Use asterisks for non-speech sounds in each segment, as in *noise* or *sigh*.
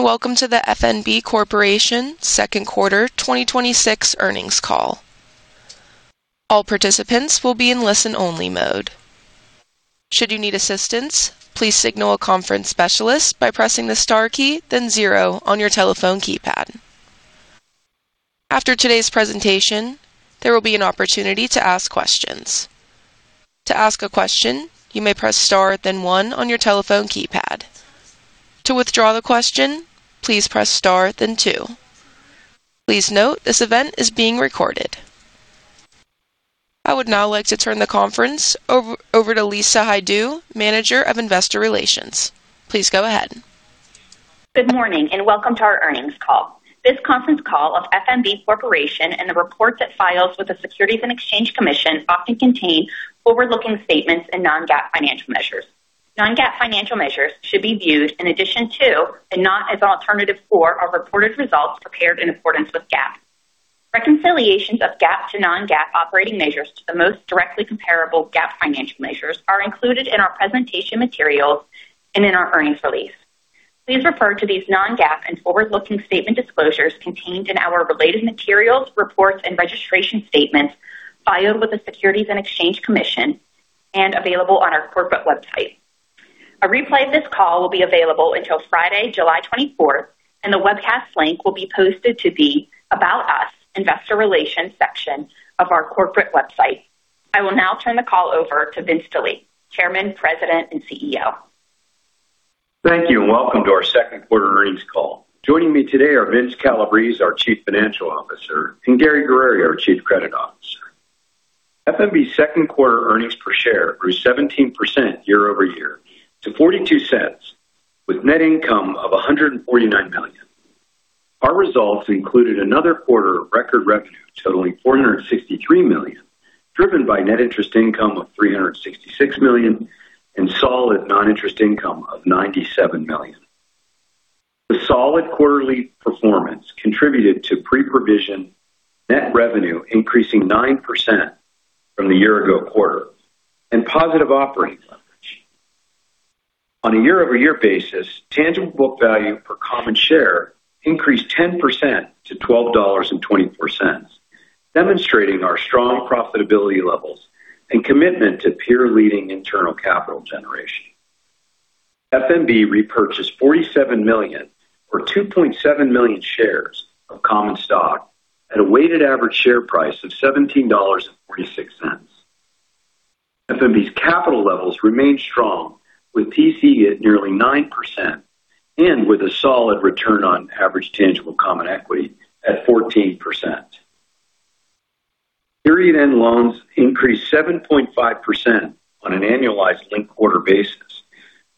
Welcome to the F.N.B. Corporation second quarter 2026 earnings call. All participants will be in listen-only mode. Should you need assistance, please signal a conference specialist by pressing the star key, then zero on your telephone keypad. After today's presentation, there will be an opportunity to ask questions. To ask a question, you may press star then one on your telephone keypad. To withdraw the question, please press star then two. Please note this event is being recorded. I would now like to turn the conference over to Lisa Hajdu, Manager of Investor Relations. Please go ahead. Good morning. Welcome to our earnings call. This conference call of F.N.B. Corporation and the reports it files with the Securities and Exchange Commission often contain forward-looking statements and non-GAAP financial measures. Non-GAAP financial measures should be viewed in addition to, and not as alternative for, our reported results prepared in accordance with GAAP. Reconciliations of GAAP to non-GAAP operating measures to the most directly comparable GAAP financial measures are included in our presentation materials and in our earnings release. Please refer to these non-GAAP and forward-looking statement disclosures contained in our related materials, reports and registration statements filed with the Securities and Exchange Commission and available on our corporate website. A replay of this call will be available until Friday, July 24th, and the webcast link will be posted to the About Us, Investor Relations section of our corporate website. I will now turn the call over to Vince Delie, Chairman, President, and CEO. Thank you. Welcome to our second quarter earnings call. Joining me today are Vince Calabrese, our Chief Financial Officer, and Gary Guerrieri, our Chief Credit Officer. F.N.B.'s second quarter earnings per share grew 17% year-over-year to $0.42, with net income of $149 million. Our results included another quarter of record revenue totaling $463 million, driven by net interest income of $366 million and solid non-interest income of $97 million. The solid quarterly performance contributed to pre-provision net revenue increasing 9% from the year-ago quarter and positive operating leverage. On a year-over-year basis, tangible book value per common share increased 10% to $12.24, demonstrating our strong profitability levels and commitment to peer-leading internal capital generation. F.N.B. repurchased $47 million, or 2.7 million shares of common stock at a weighted average share price of $17.46. F.N.B.'s capital levels remain strong, with TCE at nearly 9% and with a solid return on average tangible common equity at 14%. Period end loans increased 7.5% on an annualized linked quarter basis,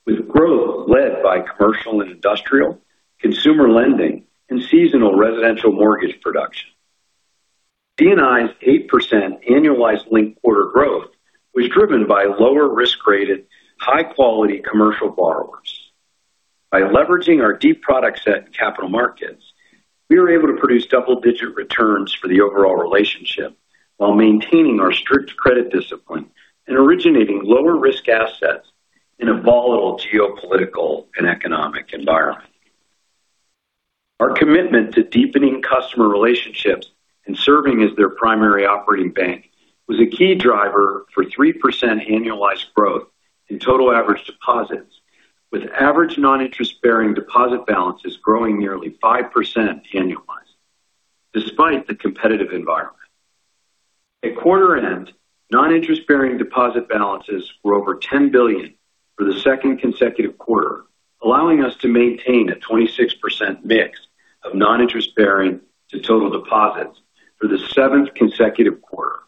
with growth led by C&I, consumer lending, and seasonal residential mortgage production. C&I's 8% annualized linked quarter growth was driven by lower risk-rated, high-quality commercial borrowers. By leveraging our deep product set in capital markets, we were able to produce double-digit returns for the overall relationship while maintaining our strict credit discipline and originating lower risk assets in a volatile geopolitical and economic environment. Our commitment to deepening customer relationships and serving as their primary operating bank was a key driver for 3% annualized growth in total average deposits, with average non-interest-bearing deposit balances growing nearly 5% annualized despite the competitive environment. At quarter end, non-interest-bearing deposit balances were over $10 billion for the second consecutive quarter, allowing us to maintain a 26% mix of non-interest-bearing to total deposits for the seventh consecutive quarter.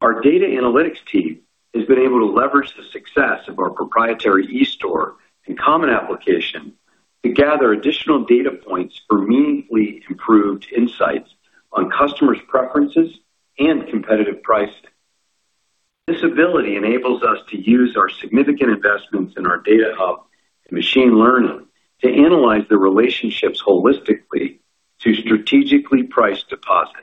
Our data analytics team has been able to leverage the success of our proprietary eStore and Common App to gather additional data points for meaningfully improved insights on customers' preferences and competitive pricing. This ability enables us to use our significant investments in our data hub and machine learning to analyze the relationships holistically to strategically price deposits.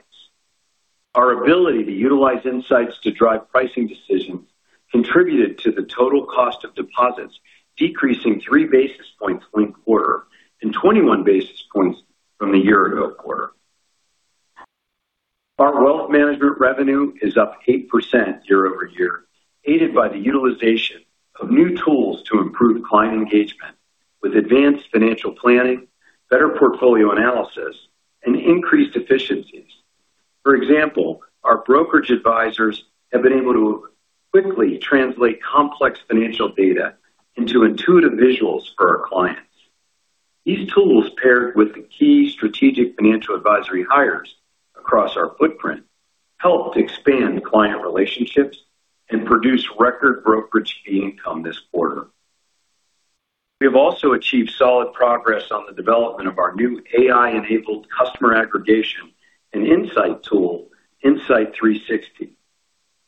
Our ability to utilize insights to drive pricing decisions contributed to the total cost of deposits decreasing three basis points linked quarter and 21 basis points from the year-ago quarter. Our wealth management revenue is up 8% year-over-year, aided by the utilization of new tools to improve client engagement with advanced financial planning, better portfolio analysis, and increased efficiencies. For example, our brokerage advisors have been able to quickly translate complex financial data into intuitive visuals for our clients. These tools, paired with the key strategic financial advisory hires across our footprint, helped expand client relationships and produce record brokerage fee income this quarter. We have also achieved solid progress on the development of our new AI-enabled customer aggregation and insight tool, Insight 360.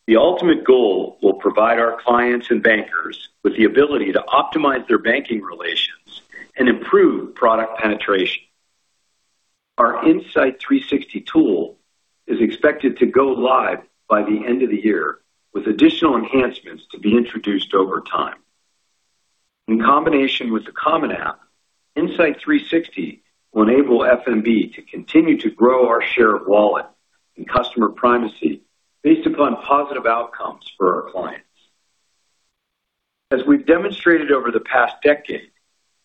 The ultimate goal will provide our clients and bankers with the ability to optimize their banking relations and improve product penetration. Our Insight 360 tool is expected to go live by the end of the year, with additional enhancements to be introduced over time. In combination with the Common App, Insight 360 will enable F.N.B. to continue to grow our share of wallet and customer primacy based upon positive outcomes for our clients. As we've demonstrated over the past decade,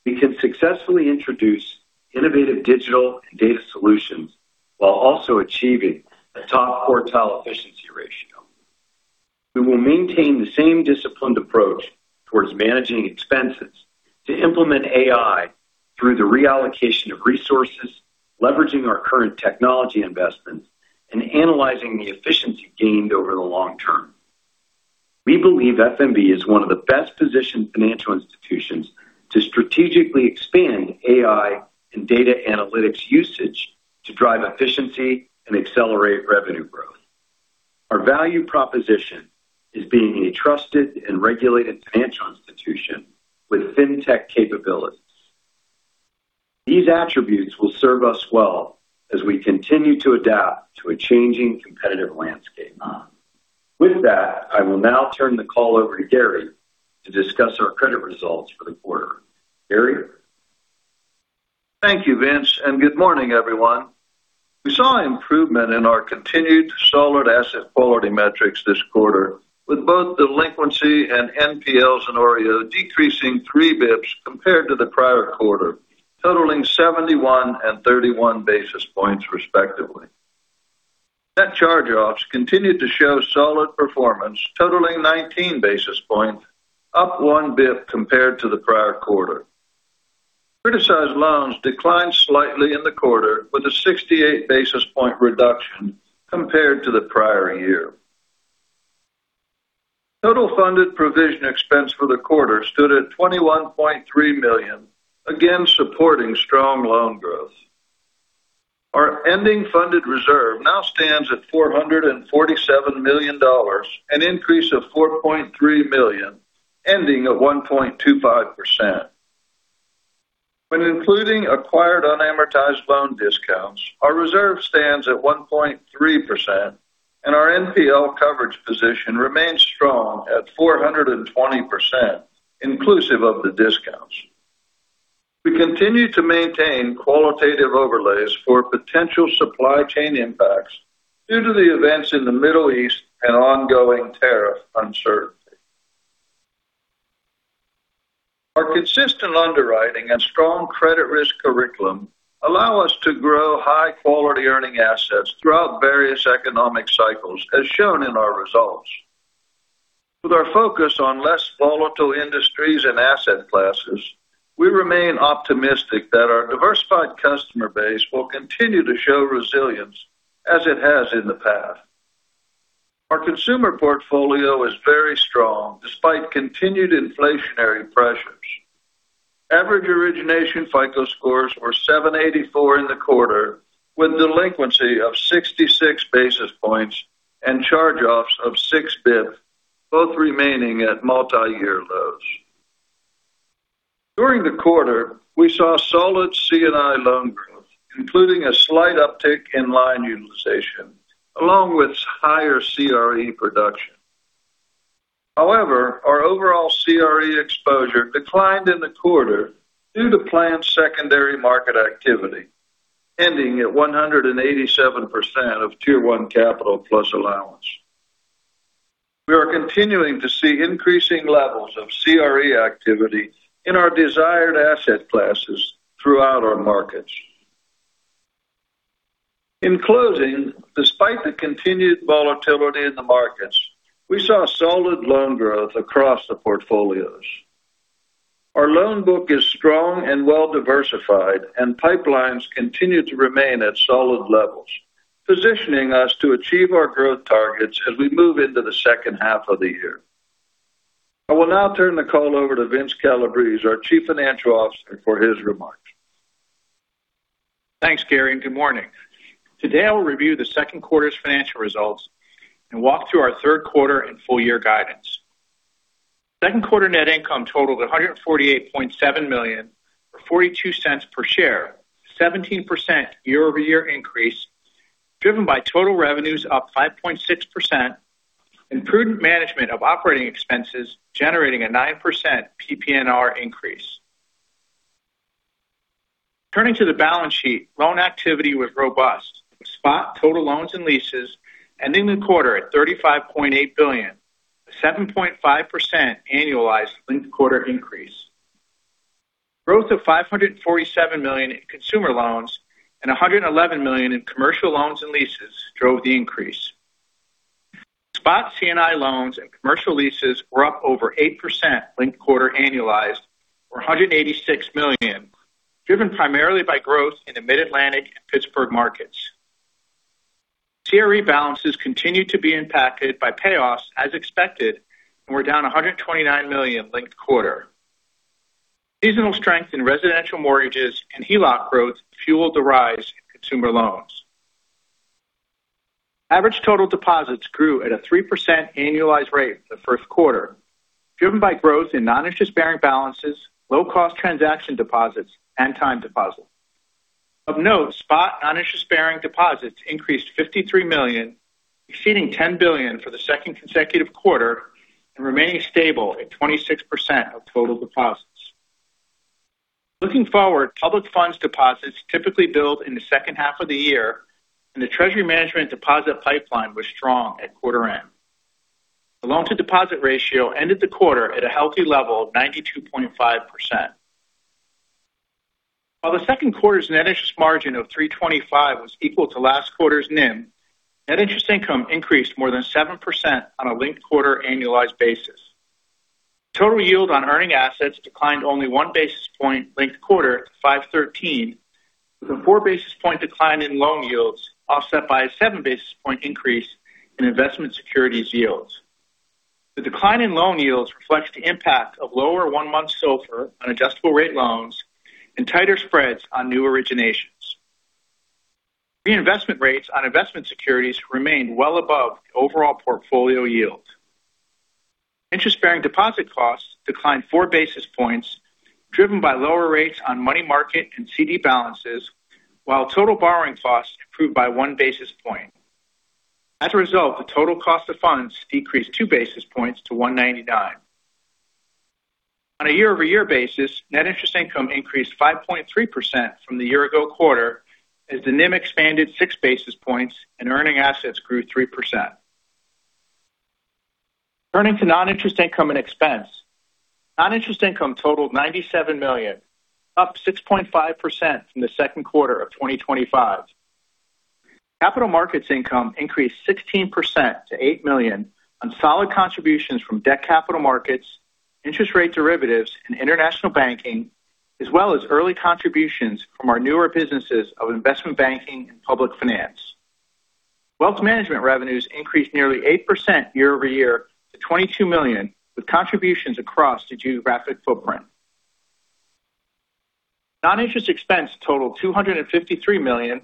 we can successfully introduce innovative digital and data solutions while also achieving a top quartile efficiency ratio. We will maintain the same disciplined approach towards managing expenses to implement AI through the reallocation of resources, leveraging our current technology investments, and analyzing the efficiency gained over the long term. We believe F.N.B. is one of the best-positioned financial institutions to strategically expand AI and data analytics usage to drive efficiency and accelerate revenue growth. Our value proposition is being a trusted and regulated financial institution with fintech capabilities. These attributes will serve us well as we continue to adapt to a changing competitive landscape. With that, I will now turn the call over to Gary to discuss our credit results for the quarter. Gary? Thank you, Vince, and good morning, everyone. We saw improvement in our continued solid asset quality metrics this quarter with both delinquency and NPLs and OREO decreasing three basis points compared to the prior quarter, totaling 71 and 31 basis points respectively. Net charge-offs continued to show solid performance, totaling 19 basis points, up one basis point compared to the prior quarter. Criticized loans declined slightly in the quarter with a 68 basis point reduction compared to the prior year. Total funded provision expense for the quarter stood at $21.3 million, again, supporting strong loan growth. Our ending funded reserve now stands at $447 million, an increase of $4.3 million, ending at 1.25%. When including acquired unamortized loan discounts, our reserve stands at 1.3% and our NPL coverage position remains strong at 420%, inclusive of the discounts. We continue to maintain qualitative overlays for potential supply chain impacts due to the events in the Middle East and ongoing tariff uncertainty. Our consistent underwriting and strong credit risk curriculum allow us to grow high-quality earning assets throughout various economic cycles, as shown in our results. With our focus on less volatile industries and asset classes, we remain optimistic that our diversified customer base will continue to show resilience as it has in the past. Our consumer portfolio is very strong despite continued inflationary pressures. Average origination FICO scores were 784 in the quarter, with delinquency of 66 basis points and charge-offs of six basis points, both remaining at multiyear lows. During the quarter, we saw solid C&I loan growth, including a slight uptick in line utilization, along with higher CRE production. Our overall CRE exposure declined in the quarter due to planned secondary market activity, ending at 187% of Tier 1 capital plus allowance. We are continuing to see increasing levels of CRE activity in our desired asset classes throughout our markets. In closing, despite the continued volatility in the markets, we saw solid loan growth across the portfolios. Our loan book is strong and well-diversified, and pipelines continue to remain at solid levels, positioning us to achieve our growth targets as we move into the second half of the year. I will now turn the call over to Vince Calabrese, our Chief Financial Officer, for his remarks. Thanks, Gary, and good morning. Today, I'll review the second quarter's financial results and walk through our third quarter and full-year guidance. Second quarter net income totaled $148.7 million, or $0.42 per share, a 17% year-over-year increase driven by total revenues up 5.6% and prudent management of operating expenses generating a 9% PPNR increase. Turning to the balance sheet, loan activity was robust, with spot total loans and leases ending the quarter at $35.8 billion, a 7.5% annualized linked-quarter increase. Growth of $547 million in consumer loans and $111 million in commercial loans and leases drove the increase. Spot C&I loans and commercial leases were up over 8% linked-quarter annualized, or $186 million, driven primarily by growth in the Mid-Atlantic and Pittsburgh markets. CRE balances continued to be impacted by payoffs as expected and were down $129 million linked quarter. Seasonal strength in residential mortgages and HELOC growth fueled the rise in consumer loans. Average total deposits grew at a 3% annualized rate in the first quarter, driven by growth in non-interest bearing balances, low cost transaction deposits, and time deposits. Of note, spot non-interest bearing deposits increased $53 million, exceeding $10 billion for the second consecutive quarter and remaining stable at 26% of total deposits. Looking forward, public funds deposits typically build in the second half of the year, and the treasury management deposit pipeline was strong at quarter end. The loan to deposit ratio ended the quarter at a healthy level of 92.5%. While the second quarter's net interest margin of 325 was equal to last quarter's NIM, net interest income increased more than 7% on a linked quarter annualized basis. Total yield on earning assets declined only one basis point linked quarter to 513, with a four basis point decline in loan yields offset by a seven basis point increase in investment securities yields. The decline in loan yields reflects the impact of lower one-month SOFR on adjustable rate loans and tighter spreads on new originations. Reinvestment rates on investment securities remained well above the overall portfolio yield. Interest bearing deposit costs declined four basis points, driven by lower rates on money market and CD balances, while total borrowing costs improved by one basis point. As a result, the total cost of funds decreased two basis points to 199. On a year-over-year basis, net interest income increased 5.3% from the year ago quarter as the NIM expanded six basis points and earning assets grew 3%. Turning to non-interest income and expense. Non-interest income totaled $97 million, up 6.5% from the second quarter of 2025. Capital markets income increased 16% to $8 million on solid contributions from debt capital markets, interest rate derivatives, and international banking, as well as early contributions from our newer businesses of investment banking and public finance. Wealth management revenues increased nearly 8% year-over-year to $22 million, with contributions across the geographic footprint. Non-interest expense totaled $253 million,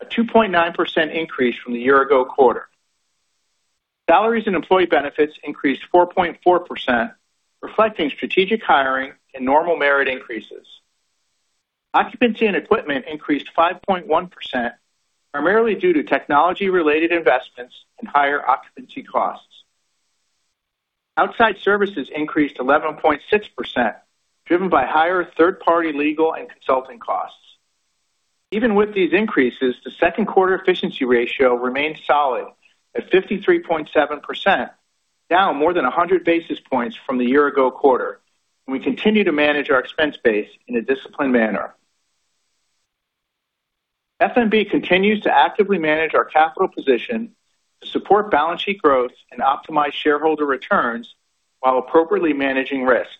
a 2.9% increase from the year ago quarter. Salaries and employee benefits increased 4.4%, reflecting strategic hiring and normal merit increases. Occupancy and equipment increased 5.1%, primarily due to technology related investments and higher occupancy costs. Outside services increased 11.6%, driven by higher third-party legal and consulting costs. Even with these increases, the second quarter efficiency ratio remained solid at 53.7%, down more than 100 basis points from the year ago quarter. We continue to manage our expense base in a disciplined manner. F.N.B. continues to actively manage our capital position to support balance sheet growth and optimize shareholder returns while appropriately managing risk.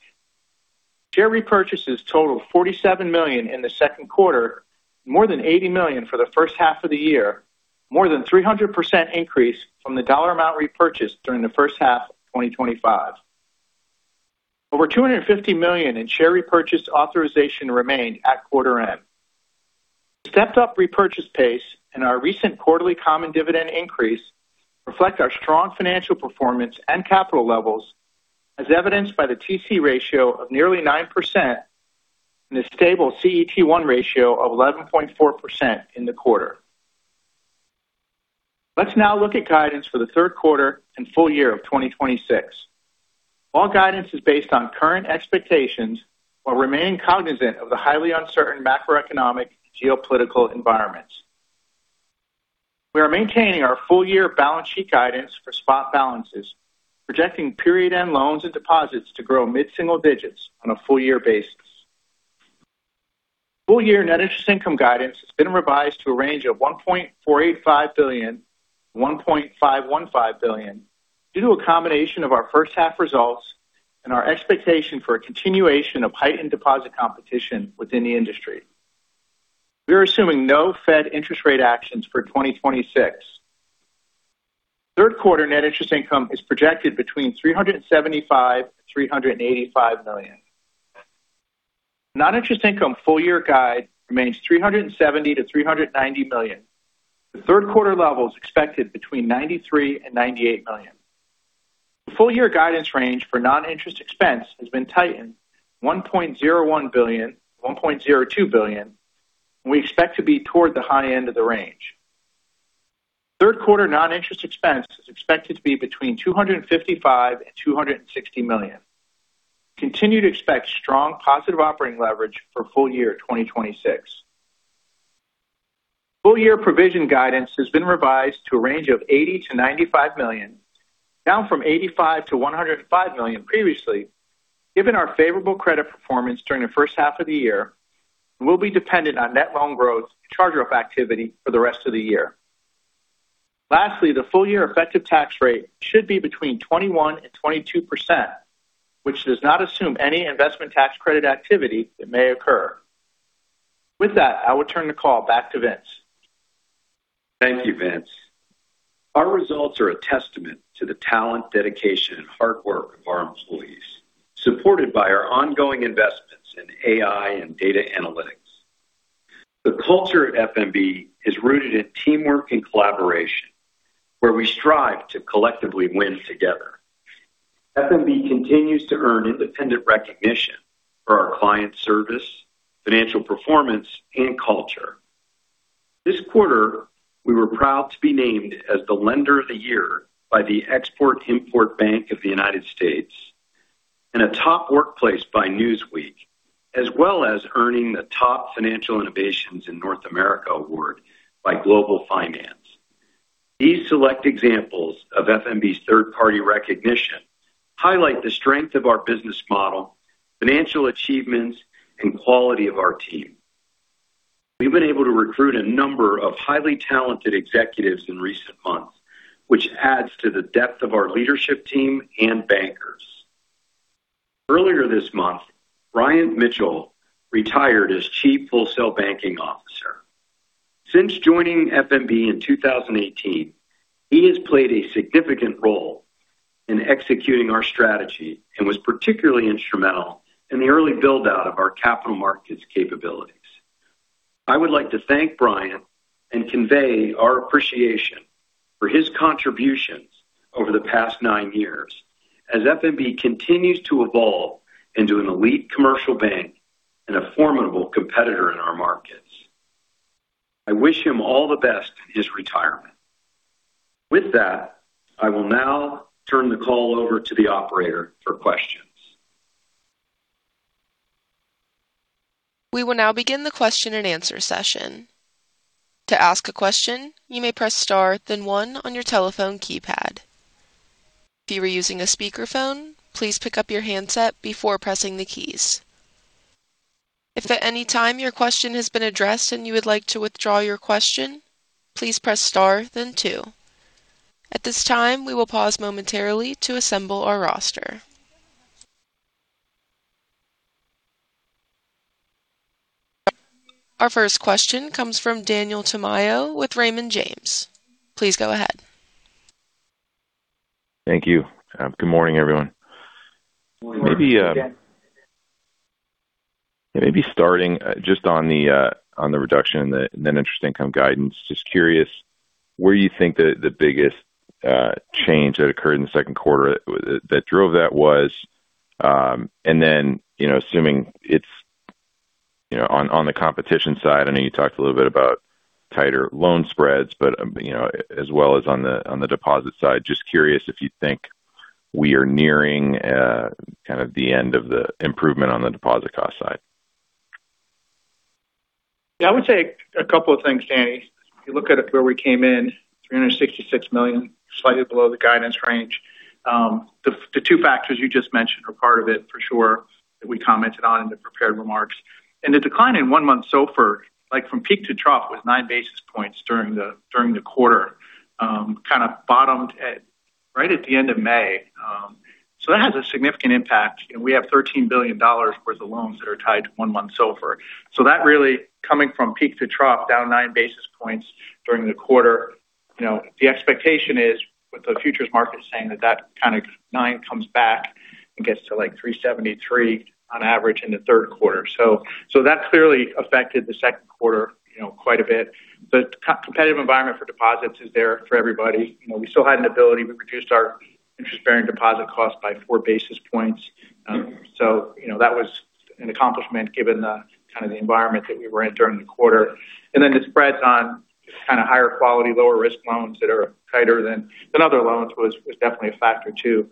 Share repurchases totaled $47 million in the second quarter, more than $80 million for the first half of the year, more than 300% increase from the dollar amount repurchased during the first half of 2025. Over $250 million in share repurchase authorization remained at quarter end. The stepped up repurchase pace and our recent quarterly common dividend increase reflect our strong financial performance and capital levels, as evidenced by the TC ratio of nearly 9% and a stable CET1 ratio of 11.4% in the quarter. Let's now look at guidance for the third quarter and full year of 2026. All guidance is based on current expectations while remaining cognizant of the highly uncertain macroeconomic and geopolitical environments. We are maintaining our full year balance sheet guidance for spot balances, projecting period end loans and deposits to grow mid-single digits on a full year basis. Full year net interest income guidance has been revised to a range of $1.485 billion-$1.515 billion due to a combination of our first half results and our expectation for a continuation of heightened deposit competition within the industry. We are assuming no Fed interest rate actions for 2026. Third quarter net interest income is projected between $375 million-$385 million. Non-interest income full year guide remains $370 million-$390 million, with third quarter levels expected between $93 million-$98 million. The full year guidance range for non-interest expense has been tightened to $1.01 billion-$1.02 billion. We expect to be toward the high end of the range. Third quarter non-interest expense is expected to be between $255 million-$260 million. We continue to expect strong positive operating leverage for full year 2026. Full year provision guidance has been revised to a range of $80 million-$95 million, down from $85 million-$105 million previously, given our favorable credit performance during the first half of the year. Will be dependent on net loan growth and charge off activity for the rest of the year. Lastly, the full year effective tax rate should be between 21%-22%, which does not assume any investment tax credit activity that may occur. With that, I will turn the call back to Vince. Thank you, Vince. Our results are a testament to the talent, dedication, and hard work of our employees, supported by our ongoing investments in AI and data analytics. The culture at F.N.B. is rooted in teamwork and collaboration, where we strive to collectively win together. F.N.B. continues to earn independent recognition for our client service, financial performance, and culture. This quarter, we were proud to be named as the Lender of the Year by the Export-Import Bank of the United States and a top workplace by Newsweek, as well as earning the Top Financial Innovations in North America award by Global Finance. These select examples of F.N.B.'s third-party recognition highlight the strength of our business model, financial achievements, and quality of our team. We've been able to recruit a number of highly talented executives in recent months, which adds to the depth of our leadership team and bankers. Earlier this month, Bryan Mitchell retired as Chief Wholesale Banking Officer. Since joining F.N.B. in 2018, he has played a significant role in executing our strategy and was particularly instrumental in the early build-out of our capital markets capabilities. I would like to thank Bryan and convey our appreciation for his contributions over the past nine years as F.N.B. continues to evolve into an elite commercial bank and a formidable competitor in our markets. I wish him all the best in his retirement. With that, I will now turn the call over to the operator for questions. We will now begin the question and answer session. To ask a question, you may press star then one on your telephone keypad. If you are using a speakerphone, please pick up your handset before pressing the keys. If at any time your question has been addressed and you would like to withdraw your question, please press star then two. At this time, we will pause momentarily to assemble our roster. Our first question comes from Daniel Tamayo with Raymond James. Please go ahead. Thank you. Good morning, everyone. Good morning. Maybe starting just on the reduction in the net interest income guidance. Just curious where you think the biggest change that occurred in the second quarter that drove that was. Assuming it's on the competition side, I know you talked a little bit about tighter loan spreads, but as well as on the deposit side, just curious if you think we are nearing kind of the end of the improvement on the deposit cost side. Yeah, I would say a couple of things, Danny. If you look at where we came in, $366 million, slightly below the guidance range. The two factors you just mentioned are part of it for sure that we commented on in the prepared remarks. The decline in one-month SOFR, like from peak to trough, was nine basis points during the quarter, kind of bottomed right at the end of May. That has a significant impact. We have $13 billion worth of loans that are tied to one-month SOFR. That really coming from peak to trough down nine basis points during the quarter. The expectation is with the futures market saying that kind of nine comes back and gets to like 373 on average in the third quarter. That clearly affected the second quarter quite a bit. The competitive environment for deposits is there for everybody. We still had an ability. We reduced our interest-bearing deposit cost by four basis points. That was an accomplishment given the kind of the environment that we were in during the quarter. The spreads on kind of higher quality, lower risk loans that are tighter than other loans was definitely a factor too.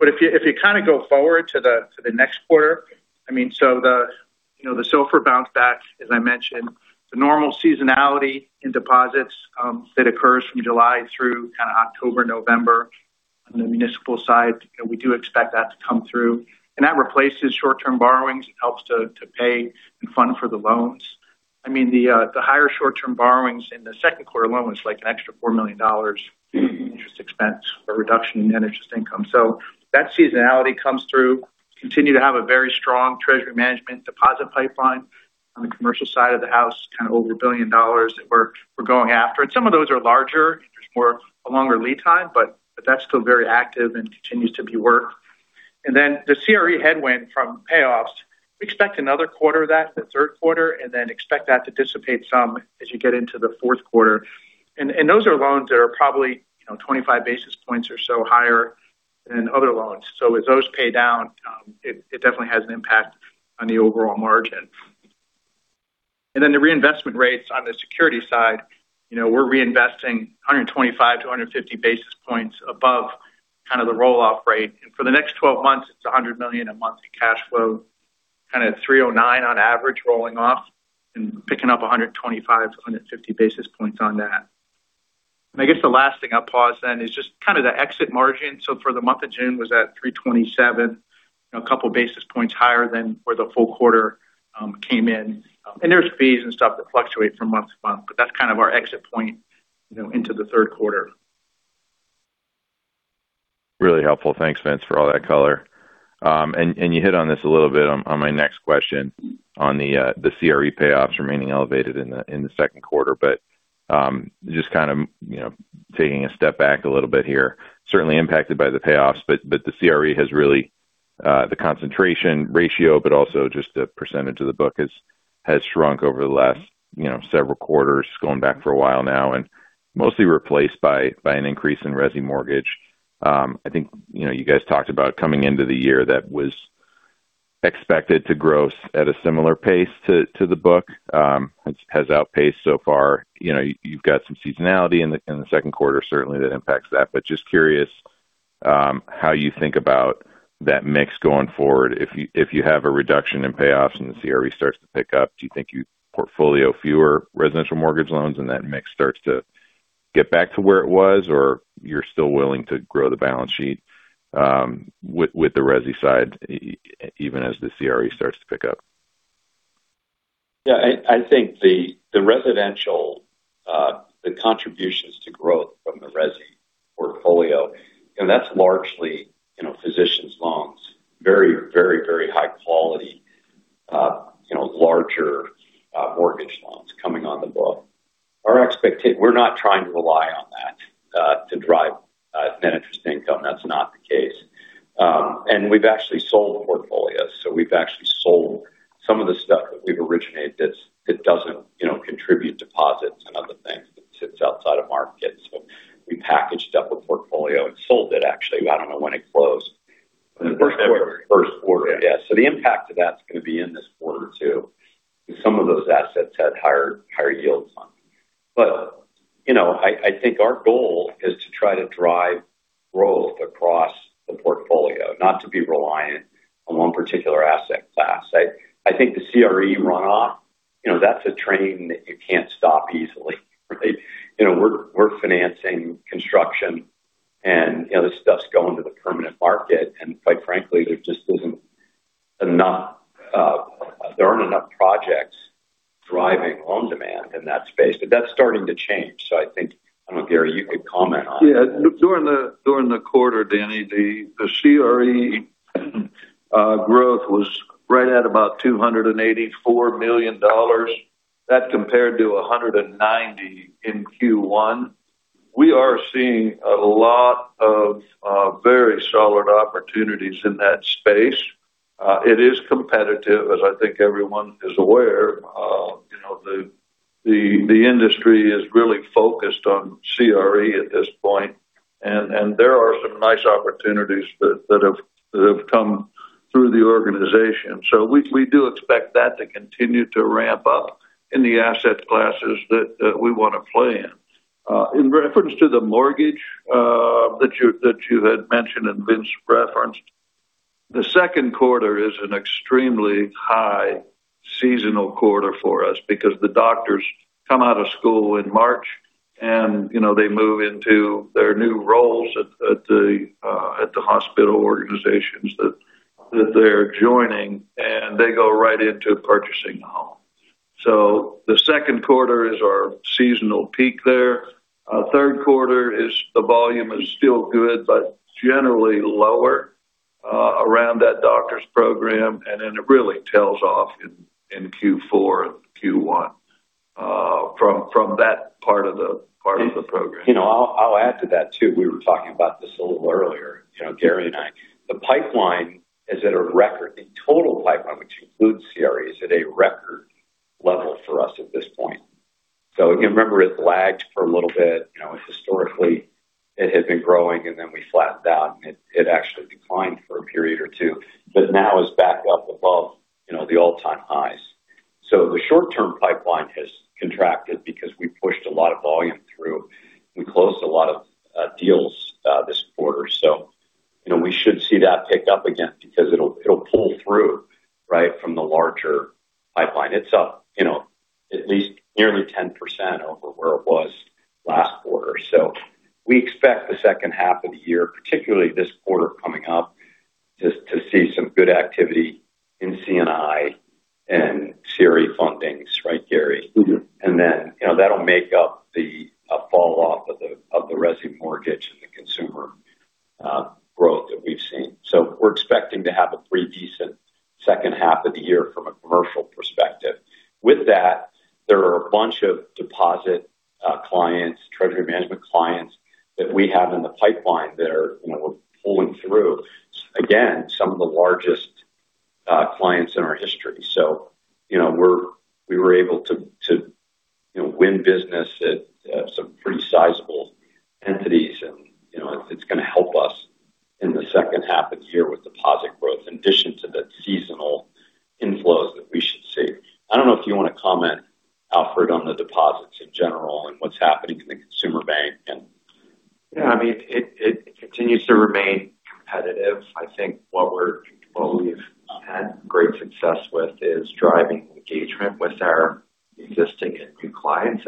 If you kind of go forward to the next quarter, the SOFR bounced back, as I mentioned. The normal seasonality in deposits that occurs from July through kind of October, November on the municipal side, we do expect that to come through, and that replaces short-term borrowings. It helps to pay and fund for the loans. The higher short-term borrowings in the second quarter alone was like an extra $4 million interest expense or reduction in net interest income. That seasonality comes through. Continue to have a very strong treasury management deposit pipeline on the commercial side of the house, kind of over $1 billion that we're going after. Some of those are larger. There's a longer lead time, but that's still very active and continues to be work. The CRE headwind from payoffs, we expect another quarter of that in the third quarter and then expect that to dissipate some as you get into the fourth quarter. Those are loans that are probably 25 basis points or so higher than other loans. As those pay down, it definitely has an impact on the overall margin. The reinvestment rates on the security side, we're reinvesting 125-150 basis points above kind of the roll-off rate. For the next 12 months, it's $100 million in monthly cash flow, kind of 309 on average rolling off and picking up 125-150 basis points on that. I guess the last thing I'll pause then is just kind of the exit margin. For the month of June was at 327, a couple basis points higher than where the full quarter came in. There's fees and stuff that fluctuate from month to month, but that's kind of our exit point into the third quarter. Really helpful. Thanks, Vince, for all that color. You hit on this a little bit on my next question on the CRE payoffs remaining elevated in the second quarter. Just kind of taking a step back a little bit here. Certainly impacted by the payoffs, but the CRE has really the percentage of the book has shrunk over the last several quarters, going back for a while now, and mostly replaced by an increase in resi mortgage. I think you guys talked about coming into the year that was expected to grow at a similar pace to the book. It has outpaced so far. You've got some seasonality in the second quarter, certainly that impacts that. Just curious how you think about that mix going forward. If you have a reduction in payoffs and the CRE starts to pick up, do you think you portfolio fewer residential mortgage loans and that mix starts to get back to where it was, or you're still willing to grow the balance sheet with the resi side, even as the CRE starts to pick up? Yeah. I think the residential, the contributions to growth from the resi portfolio, that's largely physicians' loans. Very high quality, larger mortgage loans coming on the book. We're not trying to rely on that to drive net interest income. That's not the case. We've actually sold portfolios. We've actually sold some of the stuff that we've originated that doesn't contribute deposits and other things. It sits outside of markets. We packaged up a portfolio and sold it, actually. I don't know when it closed. In the first quarter. First quarter, yeah. The impact of that's going to be in this quarter, too, because some of those assets had higher yields on them. I think our goal is to try to drive growth across the portfolio, not to be reliant on one particular asset class. I think the CRE runoff, that's a train that you can't stop easily. We're financing construction, this stuff's going to the permanent market. Quite frankly, there aren't enough projects driving loan demand in that space. That's starting to change. I think, I don't know, Gary, you could comment on that. Yeah. During the quarter, Danny, the CRE growth was right at about $284 million. That compared to $190 in Q1. We are seeing a lot of very solid opportunities in that space. It is competitive, as I think everyone is aware. The industry is really focused on CRE at this point, there are some nice opportunities that have come through the organization. We do expect that to continue to ramp up in the asset classes that we want to play in. In reference to the mortgage that you had mentioned and Vince referenced, the second quarter is an extremely high seasonal quarter for us because the doctors come out of school in March, they move into their new roles at the hospital organizations that they're joining, they go right into purchasing a home. The second quarter is our seasonal peak there. Third quarter, the volume is still good, but generally lower around that doctor's program. It really tails off in Q4 and Q1 from that part of the program. I'll add to that, too. We were talking about this a little earlier, Gary and I. The pipeline is at a record. The total pipeline, which includes CRE, is at a record level for us at this point. If you remember, it lagged for a little bit. Historically, it had been growing, we flattened out, and it actually declined for a period or two. Now it's back up above the all-time highs. The short-term pipeline has contracted because we pushed a lot of volume through. We closed a lot of deals this quarter. We should see that pick up again because it'll pull through from the larger pipeline. It's up at least nearly 10% over where it was last quarter. We expect the second half of the year, particularly this quarter coming up, to see some good activity in C&I and CRE fundings. Right, Gary? That'll make up the fall off of the resi mortgage and the consumer growth that we've seen. We're expecting to have a pretty decent second half of the year from a commercial perspective. With that, there are a bunch of deposit clients, treasury management clients that we have in the pipeline that we're pulling through. Again, some of the largest clients in our history. We were able to win business at some pretty sizable entities, and it's going to help us in the second half of the year with deposit growth, in addition to the seasonal inflows that we should see. I don't know if you want to comment, Alfred, on the deposits in general and what's happening in the consumer bank and- Yeah. It continues to remain competitive. I think what we've had great success with is driving engagement with our existing and new clients.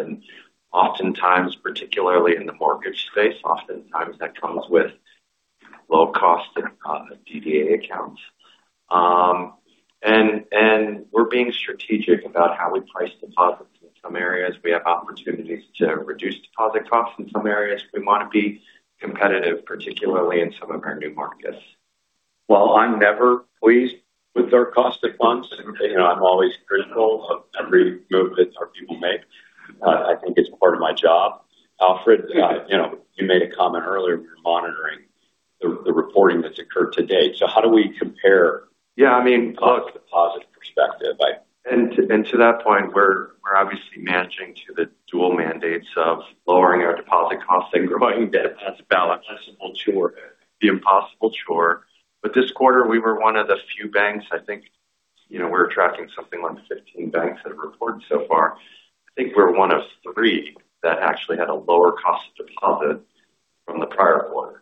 Oftentimes, particularly in the mortgage space, oftentimes that comes with low cost DDA accounts. We're being strategic about how we price deposits in some areas. We have opportunities to reduce deposit costs in some areas. We want to be competitive, particularly in some of our new markets. While I'm never pleased with our cost of funds, I'm always critical of every move that our people make. I think it's part of my job. Alfred, you made a comment earlier, we're monitoring the reporting that's occurred to date. How do we compare- Yeah, I mean- From a deposit perspective. To that point, we're obviously managing to the dual mandates of lowering our deposit costs and growing the balance sheet. The impossible chore. This quarter, we were one of the few banks, I think we're tracking something like 15 banks that have reported so far. I think we're one of three that actually had a lower cost of deposit from the prior quarter.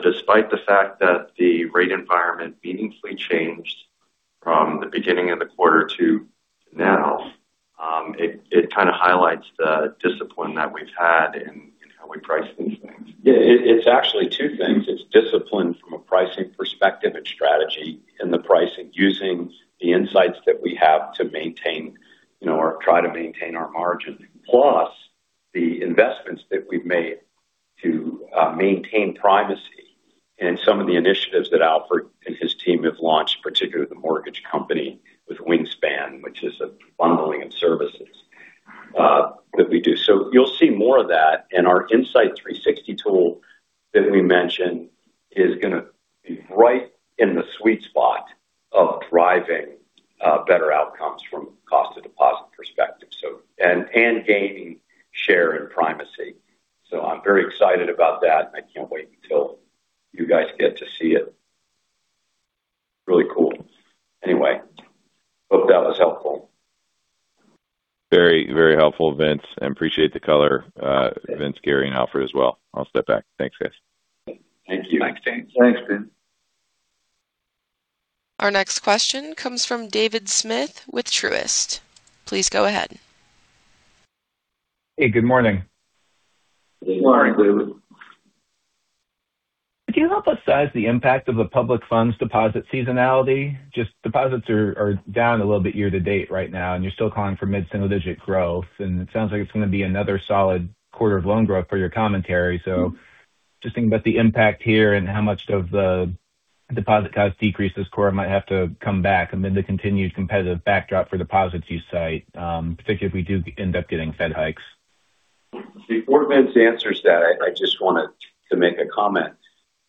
Despite the fact that the rate environment meaningfully changed from the beginning of the quarter to now, it kind of highlights the discipline that we've had in how we price these things. Yeah. It's actually two things. It's discipline from a pricing perspective and strategy in the pricing, using the insights that we have to try to maintain our margin. Plus, the investments that we've made to maintain primacy and some of the initiatives that Alfred and his team have launched, particularly the mortgage company with Wingspan, which is a bundling of services that we do. You'll see more of that. Our Insight 360 tool that we mentioned is going to be right in the sweet spot of driving better outcomes from a cost to deposit perspective. Gaining share and primacy. I'm very excited about that, and I can't wait until you guys get to see it. Really cool. Anyway, hope that was helpful. Very helpful, Vince. I appreciate the color. Vince, Gary, and Alfred as well. I'll step back. Thanks, guys. Thank you. Thanks, Daniel. Thanks, Daniel. Our next question comes from David Smith with Truist. Please go ahead. Hey, good morning. Good morning, David. Could you help us size the impact of the public funds deposit seasonality? Just deposits are down a little bit year-to-date right now, and you're still calling for mid-single digit growth, and it sounds like it's going to be another solid quarter of loan growth per your commentary. Just thinking about the impact here and how much of the deposit cost decrease this quarter might have to come back amid the continued competitive backdrop for deposits you cite, particularly if we do end up getting Fed hikes. Before Vince answers that, I just wanted to make a comment.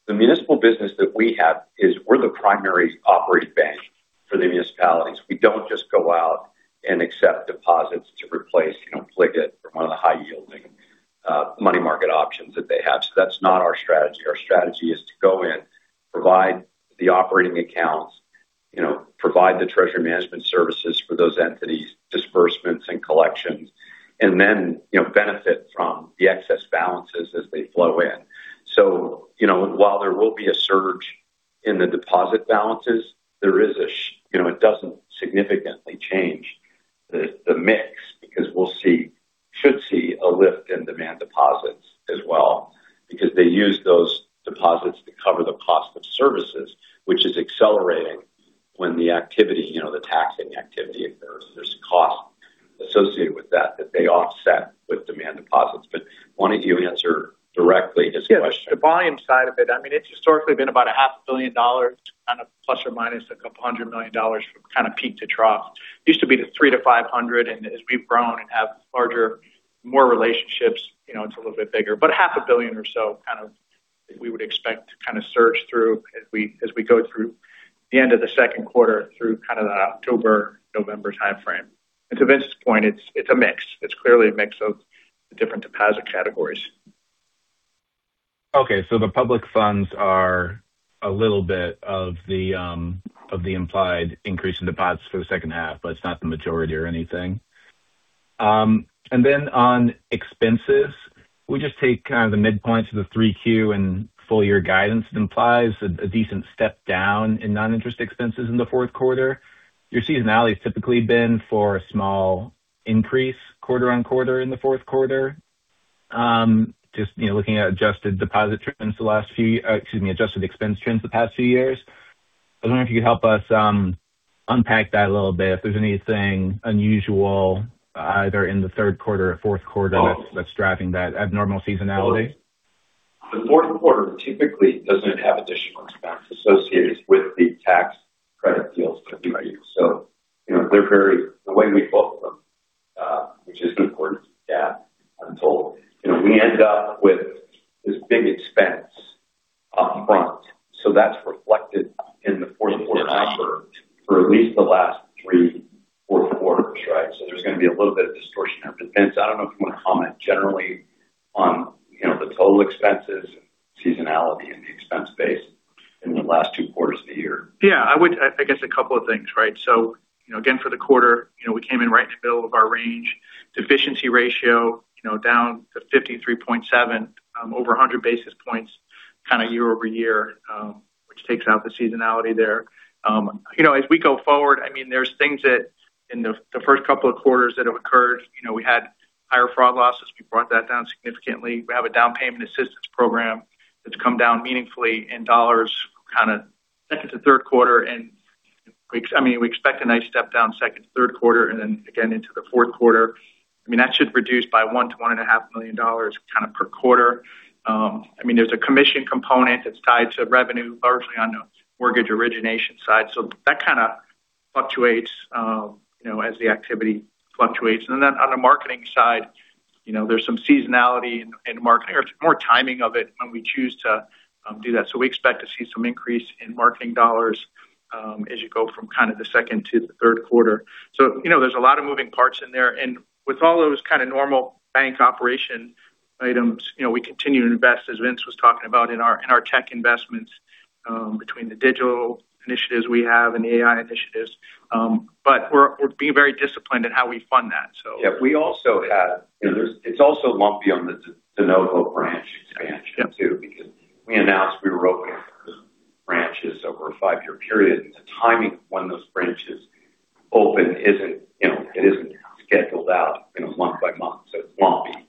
The municipal business that we have is we're the primary operating bank for the municipalities. We don't just go out and accept deposits to replace PLGIT or one of the high yielding money market options that they have. That's not our strategy. Our strategy is to go in, provide the operating accounts, provide the treasury management services for those entities, disbursements and collections, and then benefit from the excess balances as they flow in. While there will be a surge in the deposit balances, it doesn't significantly change the mix because we should see a lift in demand deposits as well, because they use those deposits to cover the cost of services, which is accelerating when the taxing activity, if there's cost associated with that they offset with demand deposits. Why don't you answer directly his question? The volume side of it's historically been about a half a billion dollars, kind of plus or minus a couple of hundred million dollars from kind of peak to trough. Used to be the three to $500 million, and as we've grown and have larger, more relationships, it's a little bit bigger. Half a billion or so we would expect to kind of surge through as we go through the end of the second quarter through that October, November time frame. To Vince's point, it's a mix. It's clearly a mix of the different deposit categories. The public funds are a little bit of the implied increase in deposits for the second half, but it's not the majority or anything. On expenses, we just take kind of the midpoints of the three Q and full year guidance implies a decent step down in non-interest expenses in the fourth quarter. Your seasonality has typically been for a small increase quarter-on-quarter in the fourth quarter. Just looking at adjusted expense trends the past few years. I was wondering if you could help us unpack that a little bit, if there's anything unusual either in the third quarter or fourth quarter that's driving that abnormal seasonality. The fourth quarter typically doesn't have additional expense associated with the tax credit deals with. *inaudible* The way we book them which is important to GAAP, I'm told. We end up with this big expense up front. That's reflected in the fourth quarter number for at least the last three, four quarters, right? There's going to be a little bit of distortion there. Vince, I don't know if you want to comment generally on the total expenses and seasonality in the expense base in the last two quarters of the year. Yeah. I guess a couple of things, right? Again, for the quarter, we came in right in the middle of our range. Efficiency ratio down to 53.7 over 100 basis points kind of year-over-year, which takes out the seasonality there. As we go forward, there's things that in the first couple of quarters that have occurred. We had higher fraud losses. We brought that down significantly. We have a down payment assistance program that's come down meaningfully in dollars kind of second to third quarter. We expect a nice step down second to third quarter and then again into the fourth quarter. That should reduce by $1 million to $1.5 million per quarter. There's a commission component that's tied to revenue largely on the mortgage origination side. That kind of fluctuates as the activity fluctuates. On the marketing side, there's some seasonality in marketing. There's more timing of it when we choose to do that. We expect to see some increase in marketing dollars as you go from the second to the third quarter. There's a lot of moving parts in there. With all those kind of normal bank operation items, we continue to invest, as Vince was talking about, in our tech investments between the digital initiatives we have and the AI initiatives. We're being very disciplined in how we fund that. Yeah. It's also lumpy on the de novo branch expansion too, because we announced we were opening branches over a five-year period, and the timing of when those branches open isn't scheduled out month by month. It's lumpy.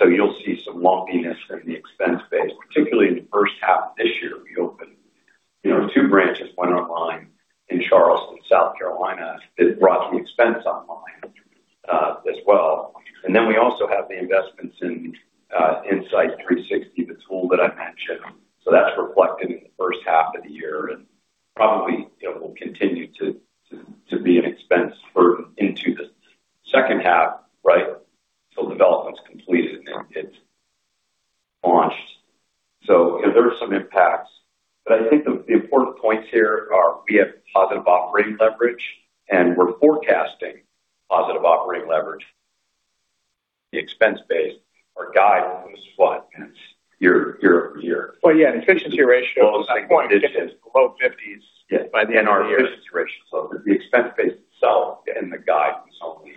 You'll see some lumpiness in the expense base, particularly in the first half of this year. We opened two branches, one online in Charleston, South Carolina. It brought some expense online as well. We also have the investments in Insight 360, the tool that I mentioned. That's reflected in the first half of the year and probably will continue to be an expense burden into the second half, right? Until development's completed and it's launched. There are some impacts. I think the important points here are we have positive operating leverage, and we're forecasting positive operating leverage. The expense base, our guide on this front, Vince. Well, yeah, efficiency ratio at that point below fifties by the end of the year. Our efficiency ratio. The expense base itself and the guidance on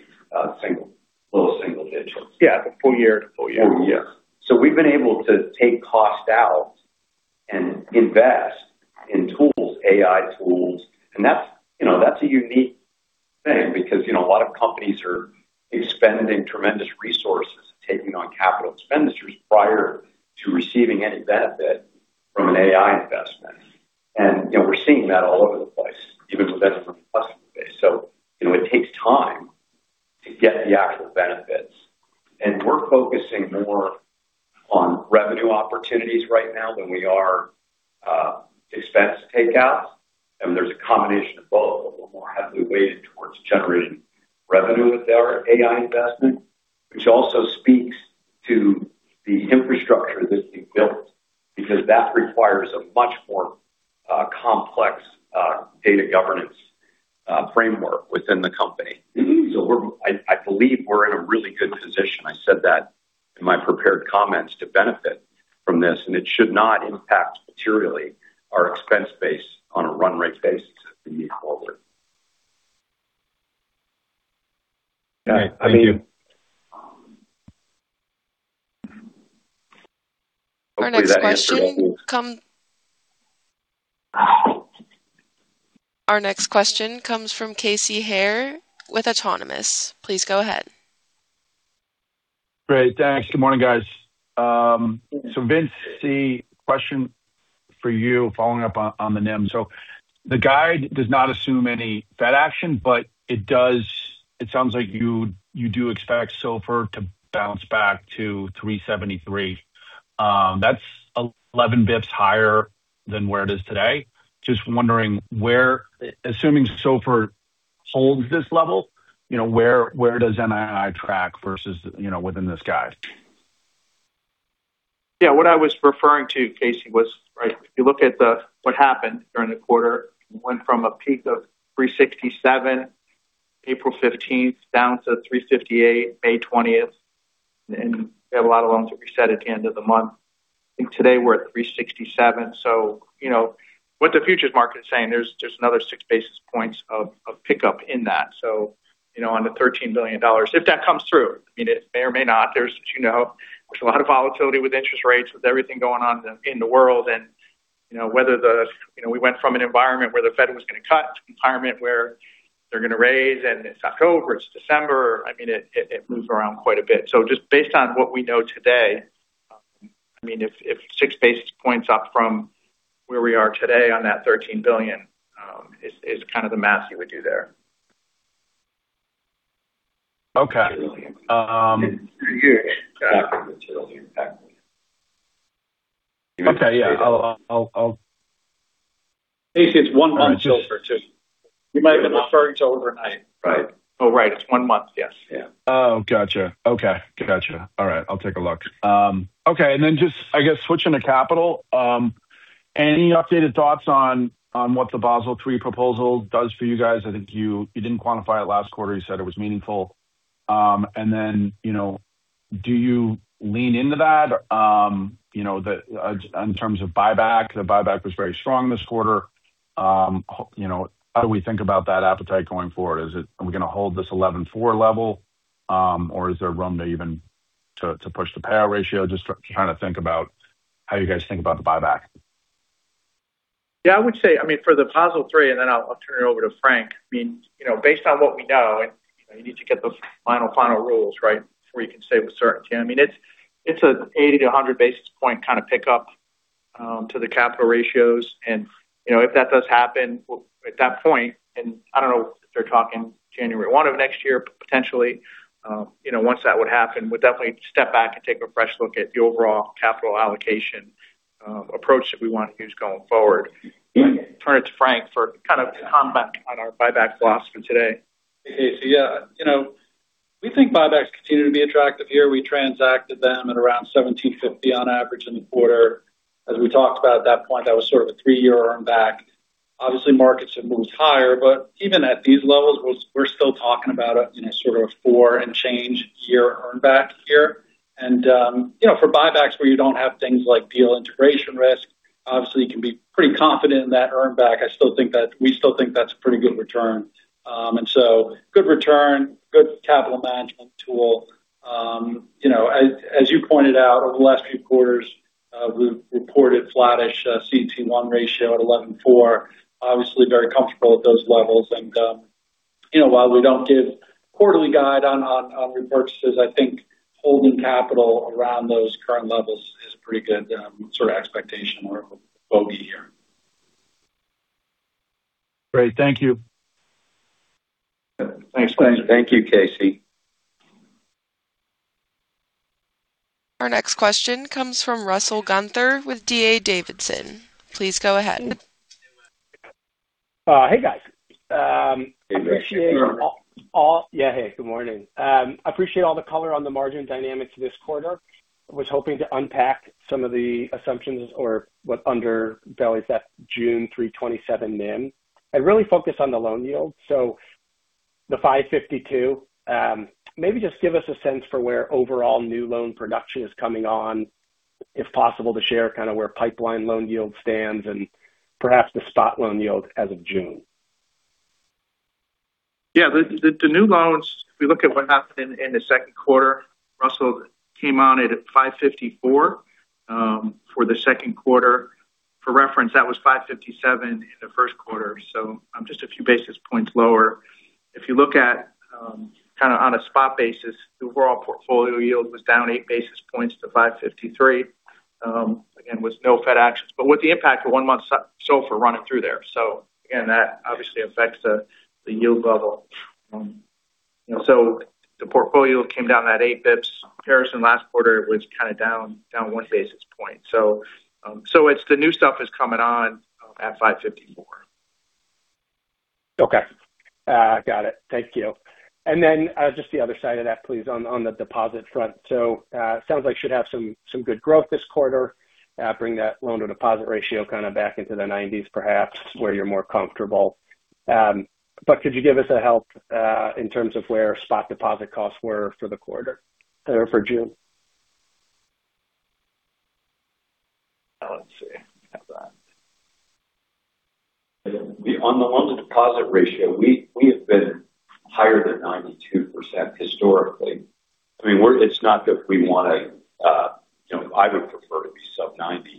low single digits. Yeah. The full year to full year. Full year. We've been able to take cost out and invest in tools, AI tools. That's a unique thing because a lot of companies are expending tremendous resources and taking on capital expenditures prior to receiving any benefit from an AI investment. We're seeing that all over the place, even with benefit request base. It takes time to get the actual benefits. We're focusing more on revenue opportunities right now than we are expense takeouts. There's a combination of both, but we're more heavily weighted towards generating revenue with our AI investment, which also speaks to the infrastructure that's being built because that requires a much more complex data governance framework within the company. I believe we're in a really good position, I said that in my prepared comments, to benefit from this, and it should not impact materially our expense base on a run-rate basis as we move forward. All right. Thank you. Our next question. Hopefully that answered it. Our next question comes from Casey Haire with Autonomous. Please go ahead. Great. Thanks. Good morning, guys. Vince, the question for you following up on the NIM. The guide does not assume any Fed action, but it sounds like you do expect SOFR to bounce back to 373. That's 11 basis points higher than where it is today. Just wondering, assuming SOFR holds this level, where does NII track versus within this guide? Yeah. What I was referring to, Casey, was right, if you look at what happened during the quarter, it went from a peak of 367, April 15th, down to 358, May 20th. We have a lot of loans that reset at the end of the month. I think today we're at 367. What the futures market is saying, there's just another six basis points of pickup in that. On the $13 billion, if that comes through. It may or may not. There's a lot of volatility with interest rates, with everything going on in the world, we went from an environment where the Fed was going to cut to an environment where they're going to raise, it's October, it's December. It moves around quite a bit. Just based on what we know today, if six basis points up from where we are today on that $13 billion is kind of the math you would do there. Okay. $13 billion. Okay. Yeah. Casey, it's one month SOFR too. You might have been referring to overnight. Right. Right. It's one month. Yes. Yeah. Got you. Okay. All right. I'll take a look. Okay. Then just, I guess, switching to capital. Any updated thoughts on what the Basel III proposal does for you guys? I think you didn't quantify it last quarter. You said it was meaningful. Then, do you lean into that in terms of buyback? The buyback was very strong this quarter. How do we think about that appetite going forward? Are we going to hold this 11.4 level? Or is there room to even push the payout ratio? Just trying to think about how you guys think about the buyback. I would say for the Basel III. I'll turn it over to Frank. Based on what we know. You need to get those final rules right before you can say with certainty. It's an 80-100 basis point kind of pickup to the capital ratios. If that does happen, at that point, and I don't know if they're talking January 1 of next year, potentially, once that would happen, we'll definitely step back and take a fresh look at the overall capital allocation approach that we want to use going forward. I'll turn it to Frank for kind of a comment on our buyback philosophy today. Hey, Casey. We think buybacks continue to be attractive here. We transacted them at around $17.50 on average in the quarter. As we talked about at that point, that was sort of a three-year earn back. Obviously, markets have moved higher, but even at these levels, we're still talking about sort of a four and change year earn back here. For buybacks where you don't have things like deal integration risk, obviously you can be pretty confident in that earn back. We still think that's a pretty good return. Good return, good capital management tool. As you pointed out, over the last few quarters, we've reported flattish CET1 ratio at 11.4. Obviously very comfortable at those levels. While we don't give quarterly guide on repurchases, I think holding capital around those current levels is a pretty good sort of expectation or a quote we hear. Great. Thank you. Thanks. Thanks. Thank you, Casey. Our next question comes from Russell Gunther with D.A. Davidson. Please go ahead. Hey, guys. Hey, Russell. Yeah, hey, good morning. I appreciate all the color on the margin dynamics this quarter. I was hoping to unpack some of the assumptions or what underbellies that June 327 NIM, and really focus on the loan yield. The 552, maybe just give us a sense for where overall new loan production is coming on, if possible, to share kind of where pipeline loan yield stands and perhaps the spot loan yield as of June. The new loans, if we look at what happened in the second quarter, Russell, came on at 554 for the second quarter. For reference, that was 557 in the first quarter, so just a few basis points lower. If you look at kind of on a spot basis, the overall portfolio yield was down eight basis points to 553, again, with no Fed actions. But with the impact of one month SOFR running through there. That obviously affects the yield level. The portfolio came down at 8 basis points. Comparison last quarter was kind of down 1 basis point. The new stuff is coming on at 554. Got it. Thank you. Just the other side of that, please, on the deposit front. Sounds like should have some good growth this quarter, bring that loan to deposit ratio kind of back into the 90s perhaps where you're more comfortable. But could you give us a help in terms of where spot deposit costs were for the quarter or for June? Let's see. How about that? On the loan to deposit ratio, we have been higher than 92% historically. I mean, it's not that we want to. I would prefer to be sub 90,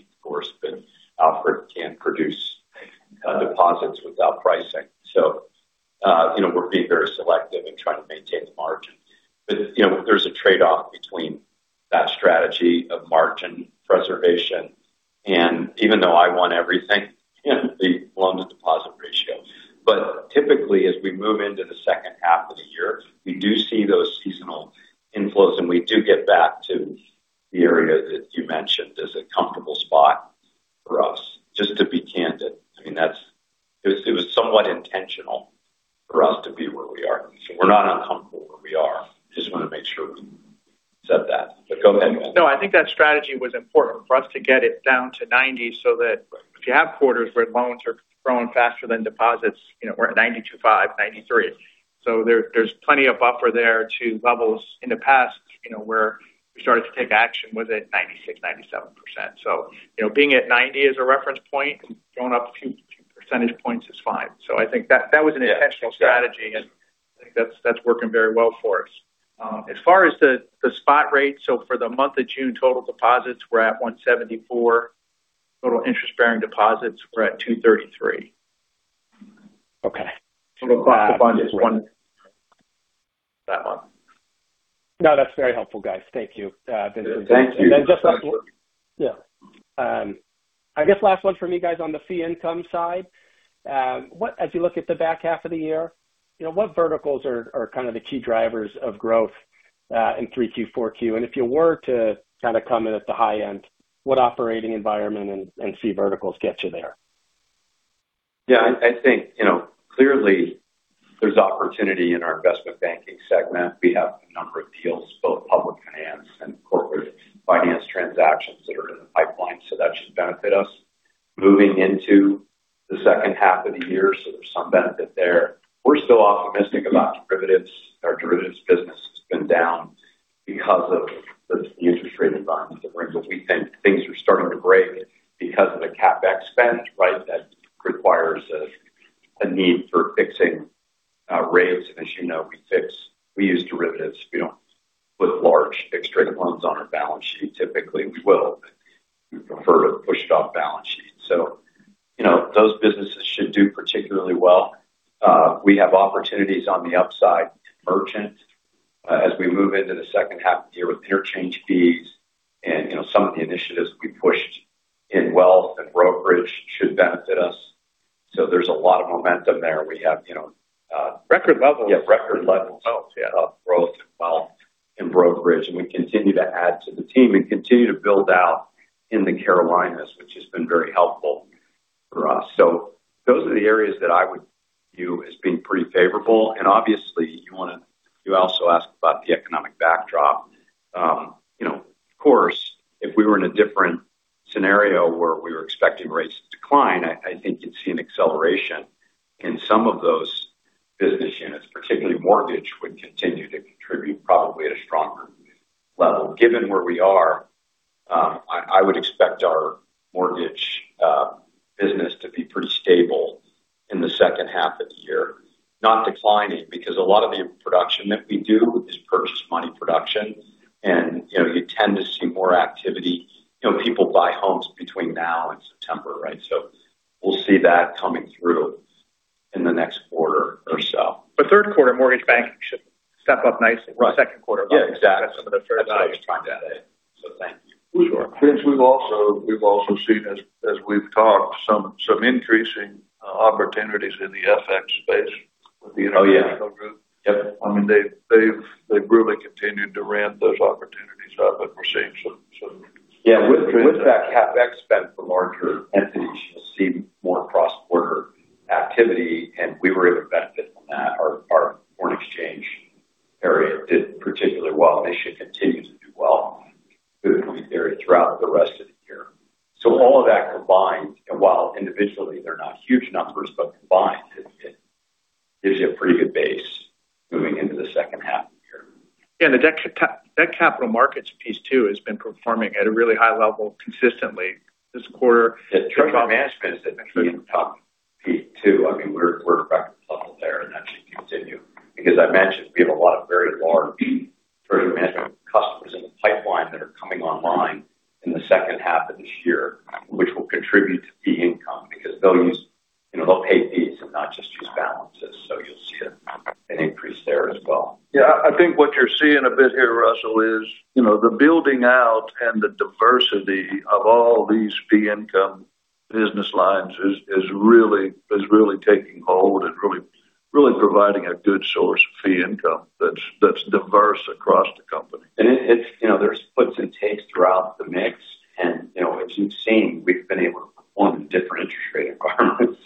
As far as the spot rate, so for the month of June, total deposits were at $174. Total interest bearing deposits were at $233. Okay. Total across the fund is one that month. No, that's very helpful, guys. Thank you. Thank you. Just I guess last one for me guys on the fee income side. As you look at the back half of the year, what verticals are kind of the key drivers of growth in 3Q, 4Q? If you were to kind of come in at the high end, what operating environment and fee verticals get you there? I think clearly there's opportunity in our investment banking segment. We have a number of deals, both public finance and corporate finance transactions that are in the pipeline. That should benefit us moving into the second half of the year. There's some benefit there. We're still optimistic about derivatives. Our derivatives business has been down because of the interest rate environment that we're in, but we think things are starting to break because of the CapEx spend, right, that requires a need for fixing rates. As you know, we use derivatives. We don't put large fixed rate loans on our balance sheet typically. We will, but we prefer a pushed off balance sheet. Those businesses should do particularly well. We have opportunities on the upside in merchant as we move into the second half of the year with interchange fees and some of the initiatives we pushed in wealth and brokerage should benefit us. There's a lot of momentum there. Record levels. Record levels of growth in wealth and brokerage, and we continue to add to the team and continue to build out in the Carolinas, which has been very helpful for us. Those are the areas that I would view as being pretty favorable. Obviously, you also asked about the economic backdrop. Of course, if we were in a different scenario where we were expecting rates to decline, I think you'd see an acceleration in some of those business units, particularly mortgage, would continue to contribute probably at a stronger level. Given where we are, I would expect our mortgage business to be pretty stable in the second half of the year. Not declining, because a lot of the production that we do is purchase money production. You tend to see more activity, people buy homes between now and September, right? We'll see that coming through in the next quarter or so. Third quarter mortgage banking should step up nicely from the second quarter. Exactly. That's some of the fair value you're talking about. That's why it's front-loaded. Thank you. Sure. Vince, we've also seen as we've talked, some increasing opportunities in the FX space with the international group. Oh, yeah. Yep. They've really continued to ramp those opportunities up, and we're seeing some. Yeah. With that CapEx spend for larger entities, you'll see more cross-border activity, and we were able to benefit from that. Our foreign exchange area did particularly well, and it should continue to do well through the coming period throughout the rest of the year. All of that combined, and while individually they're not huge numbers, but combined, it gives you a pretty good base moving into the second half of the year. Yeah. The debt capital markets piece too has been performing at a really high level consistently this quarter. The treasury management has been key in the top piece too. We're at record level there. That should continue because I mentioned we have a lot of very large treasury management customers in the pipeline that are coming online in the second half of this year, which will contribute to fee income because those, they'll pay fees and not just use balances. You'll see an increase there as well. Yeah. I think what you're seeing a bit here, Russell, is the building out and the diversity of all these fee income business lines is really taking hold and really providing a good source of fee income that's diverse across the company. There's puts and takes throughout the mix. As you've seen, we've been able to perform in a different interest rate environment.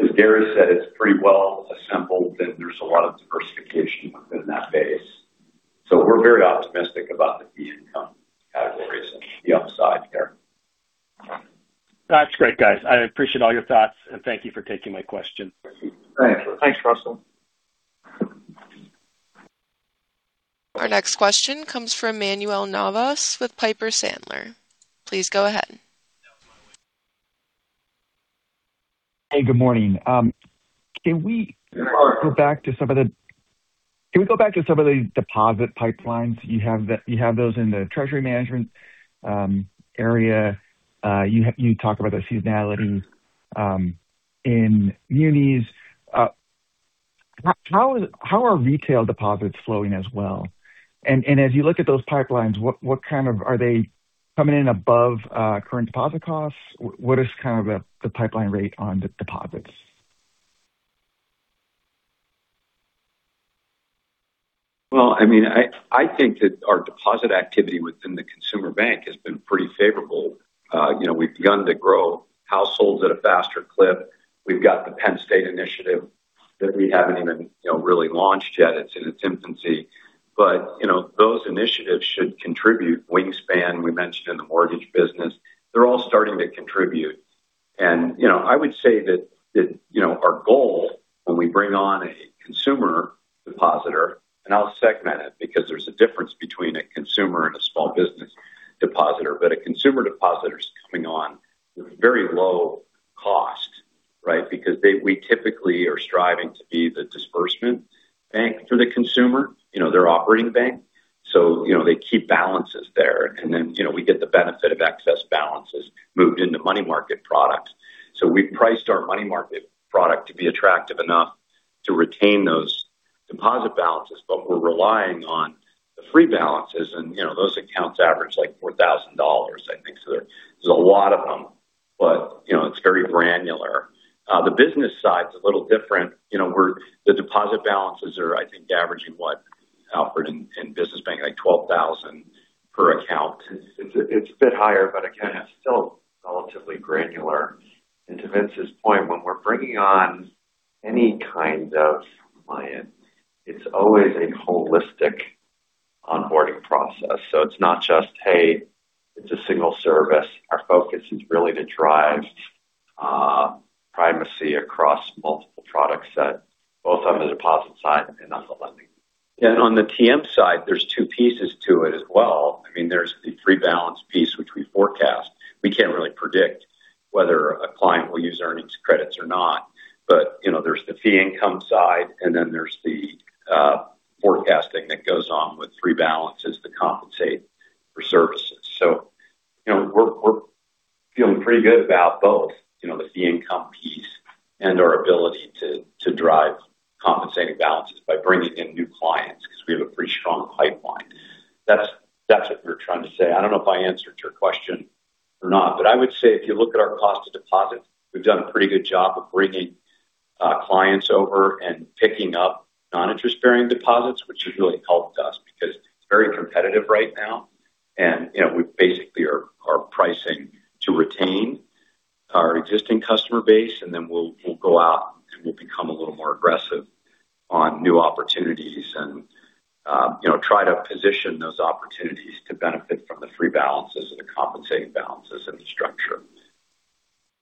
As Gary said, it's pretty well assembled that there's a lot of diversification within that base. We're very optimistic about the fee income categories and the upside there. That's great, guys. I appreciate all your thoughts, and thank you for taking my question. Thank you. Thanks, Russell. Our next question comes from Manuel Navas with Piper Sandler. Please go ahead. Hey, good morning. Can we go back to some of the deposit pipelines? You have those in the treasury management area. You talk about the seasonality in munis. How are retail deposits flowing as well? As you look at those pipelines, are they coming in above current deposit costs? What is the pipeline rate on the deposits? Well, I think that our deposit activity within the consumer bank has been pretty favorable. We've begun to grow households at a faster clip. We've got the Penn State initiative that we haven't even really launched yet. It's in its infancy. Those initiatives should contribute. Wingspan, we mentioned in the mortgage business. They're all starting to contribute. I would say that our goal when we bring on a consumer depositor, and I'll segment it because there's a difference between a consumer and a small business depositor. A consumer depositor is coming on with very low cost because we typically are striving to be the disbursement bank for the consumer, their operating bank. They keep balances there, and then we get the benefit of excess balances moved into money market products. We've priced our money market product to be attractive enough to retain those deposit balances. We're relying on the free balances, and those accounts average like $4,000 I think. There's a lot of them, but it's very granular. The business side is a little different. The deposit balances are, I think, averaging what, Alfred, in business banking, like $12,000 per account? It's a bit higher, again, it's still relatively granular. To Vince's point, when we're bringing on any kind of client, it's always a holistic onboarding process. It's not just, hey, it's a single service. Our focus is really to drive primacy across multiple product set, both on the deposit side and on the lending. On the TM side, there's two pieces to it as well. There's the free balance piece, which we forecast. We can't really predict whether a client will use earnings credits or not. There's the fee income side, and then there's the forecasting that goes on with rebalances to compensate for services. We're feeling pretty good about both, the fee income piece and our ability to drive compensating balances by bringing in new clients because we have a pretty strong pipeline. That's what we're trying to say. I don't know if I answered your question or not. I would say, if you look at our cost to deposit, we've done a pretty good job of bringing clients over and picking up non-interest bearing deposits, which has really helped us because it's very competitive right now. We basically are pricing to retain our existing customer base, and then we'll go out, and we'll become a little more aggressive on new opportunities and try to position those opportunities to benefit from the free balances or the compensating balances in the structure.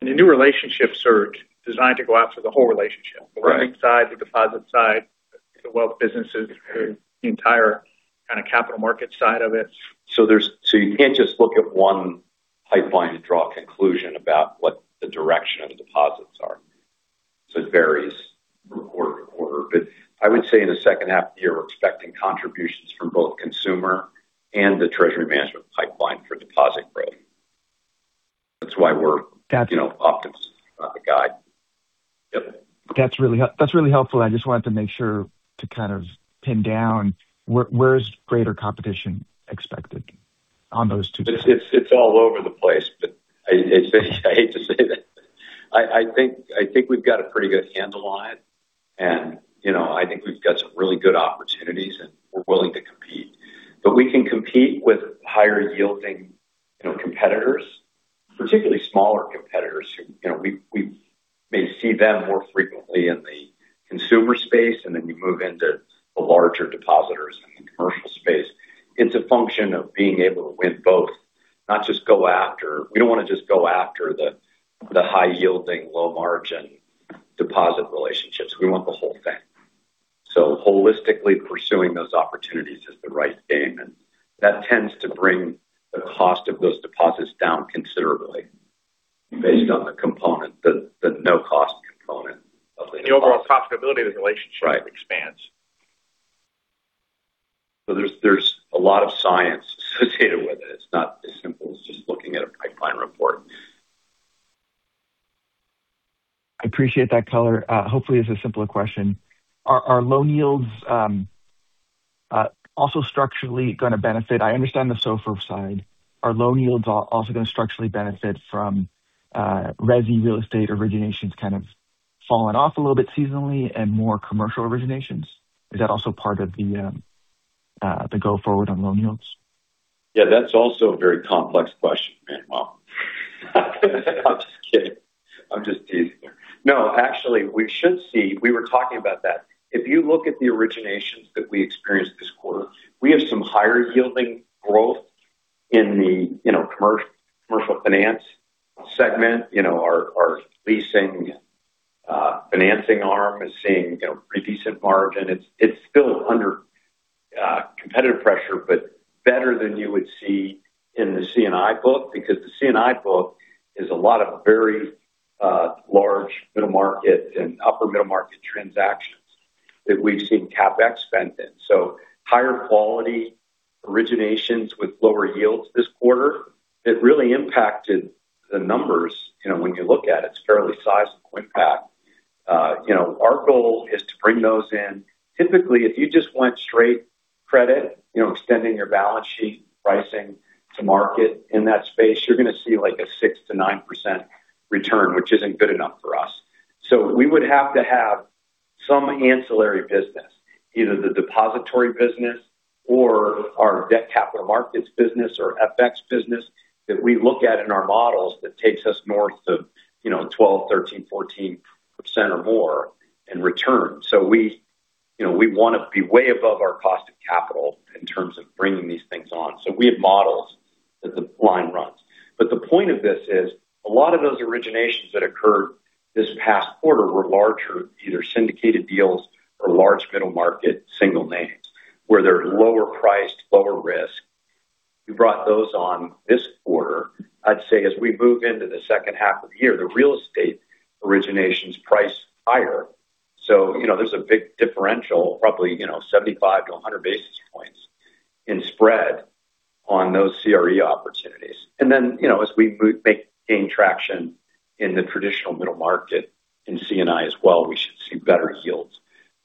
The new relationship surge designed to go after the whole relationship. Right. The lending side, the deposit side, the wealth businesses, the entire kind of capital market side of it. You can't just look at one pipeline to draw a conclusion about what the direction of the deposits are. It varies quarter to quarter. I would say in the second half of the year, we're expecting contributions from both consumer and the treasury management pipeline for deposit growth. That's why we're optimistic about the guide. Yep. That's really helpful. I just wanted to make sure to kind of pin down where is greater competition expected on those two- It's all over the place. I hate to say that. I think we've got a pretty good handle on it. I think we've got some really good opportunities, and we're willing to compete. We can compete with higher yielding competitors, particularly smaller competitors who we may see them more frequently in the consumer space. You move into the larger depositors in the commercial space. It's a function of being able to win both, not just go after. We don't want to just go after the high-yielding, low-margin deposit relationships. We want the whole thing. Holistically pursuing those opportunities is the right game. That tends to bring the cost of those deposits down considerably based on the component, the no cost component of the deposit. The overall profitability of the relationship expands. Right. There's a lot of science associated with it. It's not as simple as just looking at a pipeline report. I appreciate that color. Hopefully it's a simpler question. Are loan yields also structurally going to benefit? I understand the SOFR side. Are loan yields also going to structurally benefit from resi real estate originations kind of falling off a little bit seasonally and more commercial originations? Is that also part of the go forward on loan yields? Yeah. That's also a very complex question, man. Well, I'm just kidding. I'm just teasing there. Actually, we were talking about that. If you look at the originations that we experienced this quarter, we have some higher yielding growth in the commercial finance segment. Our leasing and financing arm is seeing pretty decent margin. It's still under competitive pressure, but better than you would see in the C&I book because the C&I book is a lot of very large middle market and upper middle market transactions that we've seen CapEx spend in. Higher quality originations with lower yields this quarter. It really impacted the numbers when you look at it. It's a fairly sizable impact. Our goal is to bring those in. Typically, if you just went straight credit, extending your balance sheet pricing to market in that space, you're going to see a 6%-9% return, which isn't good enough for us. We would have to have some ancillary business, either the depository business or our debt capital markets business or FX business that we look at in our models that takes us north of 12%, 13%, 14% or more in return. We want to be way above our cost of capital in terms of bringing these things on. We have models that the line runs. The point of this is a lot of those originations that occurred this past quarter were larger, either syndicated deals or large middle-market single names where they're lower priced, lower risk. We brought those on this quarter. I'd say as we move into the second half of the year, the real estate originations price higher. There's a big differential, probably 75-100 basis points in spread on those CRE opportunities. As we gain traction in the traditional middle market in C&I as well, we should see better yields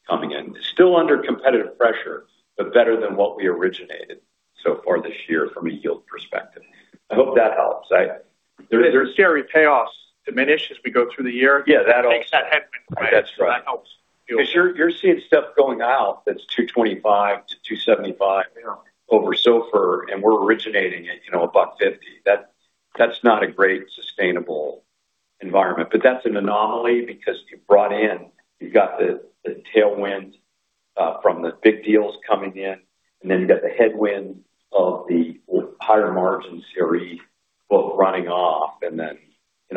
coming in. Still under competitive pressure, but better than what we originated so far this year from a yield perspective. I hope that helps. The CRE payoffs diminish as we go through the year. Yeah, that helps. It makes that headwind go away. That's right. That helps yields. You're seeing stuff going out that's 225-275- Yeah. Over SOFR, and we're originating it a buck 50. That's not a great sustainable environment. That's an anomaly because you got the tailwind from the big deals coming in, and then you've got the headwind of the higher margin CRE book running off and then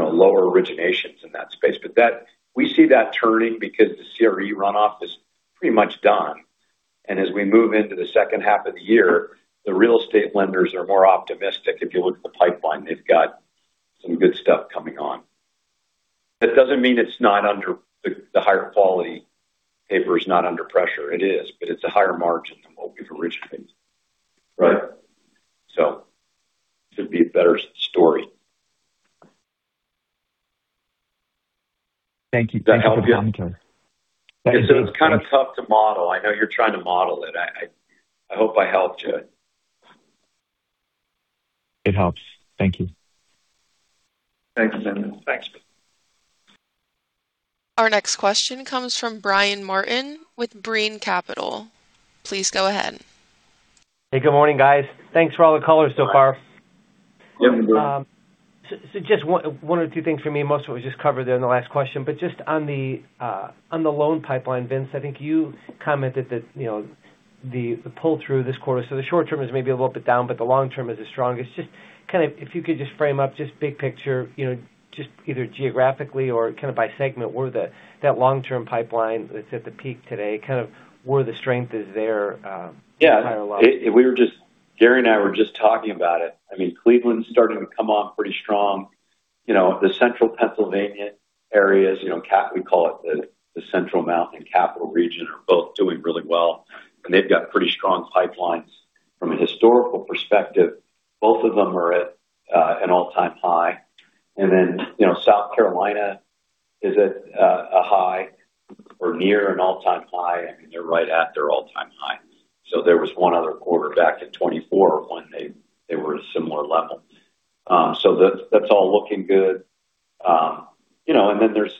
lower originations in that space. We see that turning because the CRE runoff is pretty much done. As we move into the second half of the year, the real estate lenders are more optimistic if you look at the pipeline. They've got some good stuff coming on. That doesn't mean the higher quality paper is not under pressure. It is, but it's a higher margin than what we've originally. Right. It should be a better story. Thank you. Does that help you? Thank you for the commentary. It's kind of tough to model. I know you're trying to model it. I hope I helped you. It helps. Thank you. Thanks. Thanks. Our next question comes from Brian Martin with Brean Capital. Please go ahead. Hey, good morning, guys. Thanks for all the color so far. Good morning. Just one or two things for me. Most of it was just covered there in the last question, but just on the loan pipeline, Vince, I think you commented that the pull-through this quarter. The short term is maybe a little bit down, but the long term is the strongest. Just if you could just frame up, just big picture, just either geographically or kind of by segment, where that long-term pipeline that's at the peak today, kind of where the strength is there? Yeah. Prior low. Gary and I were just talking about it. Cleveland's starting to come off pretty strong. The Central Pennsylvania areas, we call it the Central Mountain Capital region, are both doing really well. They've got pretty strong pipelines from a historical perspective. Both of them are at an all-time high. South Carolina is at a high or near an all-time high. They're right at their all-time high. There was one other quarter back in 2024 when they were at a similar level. That's all looking good.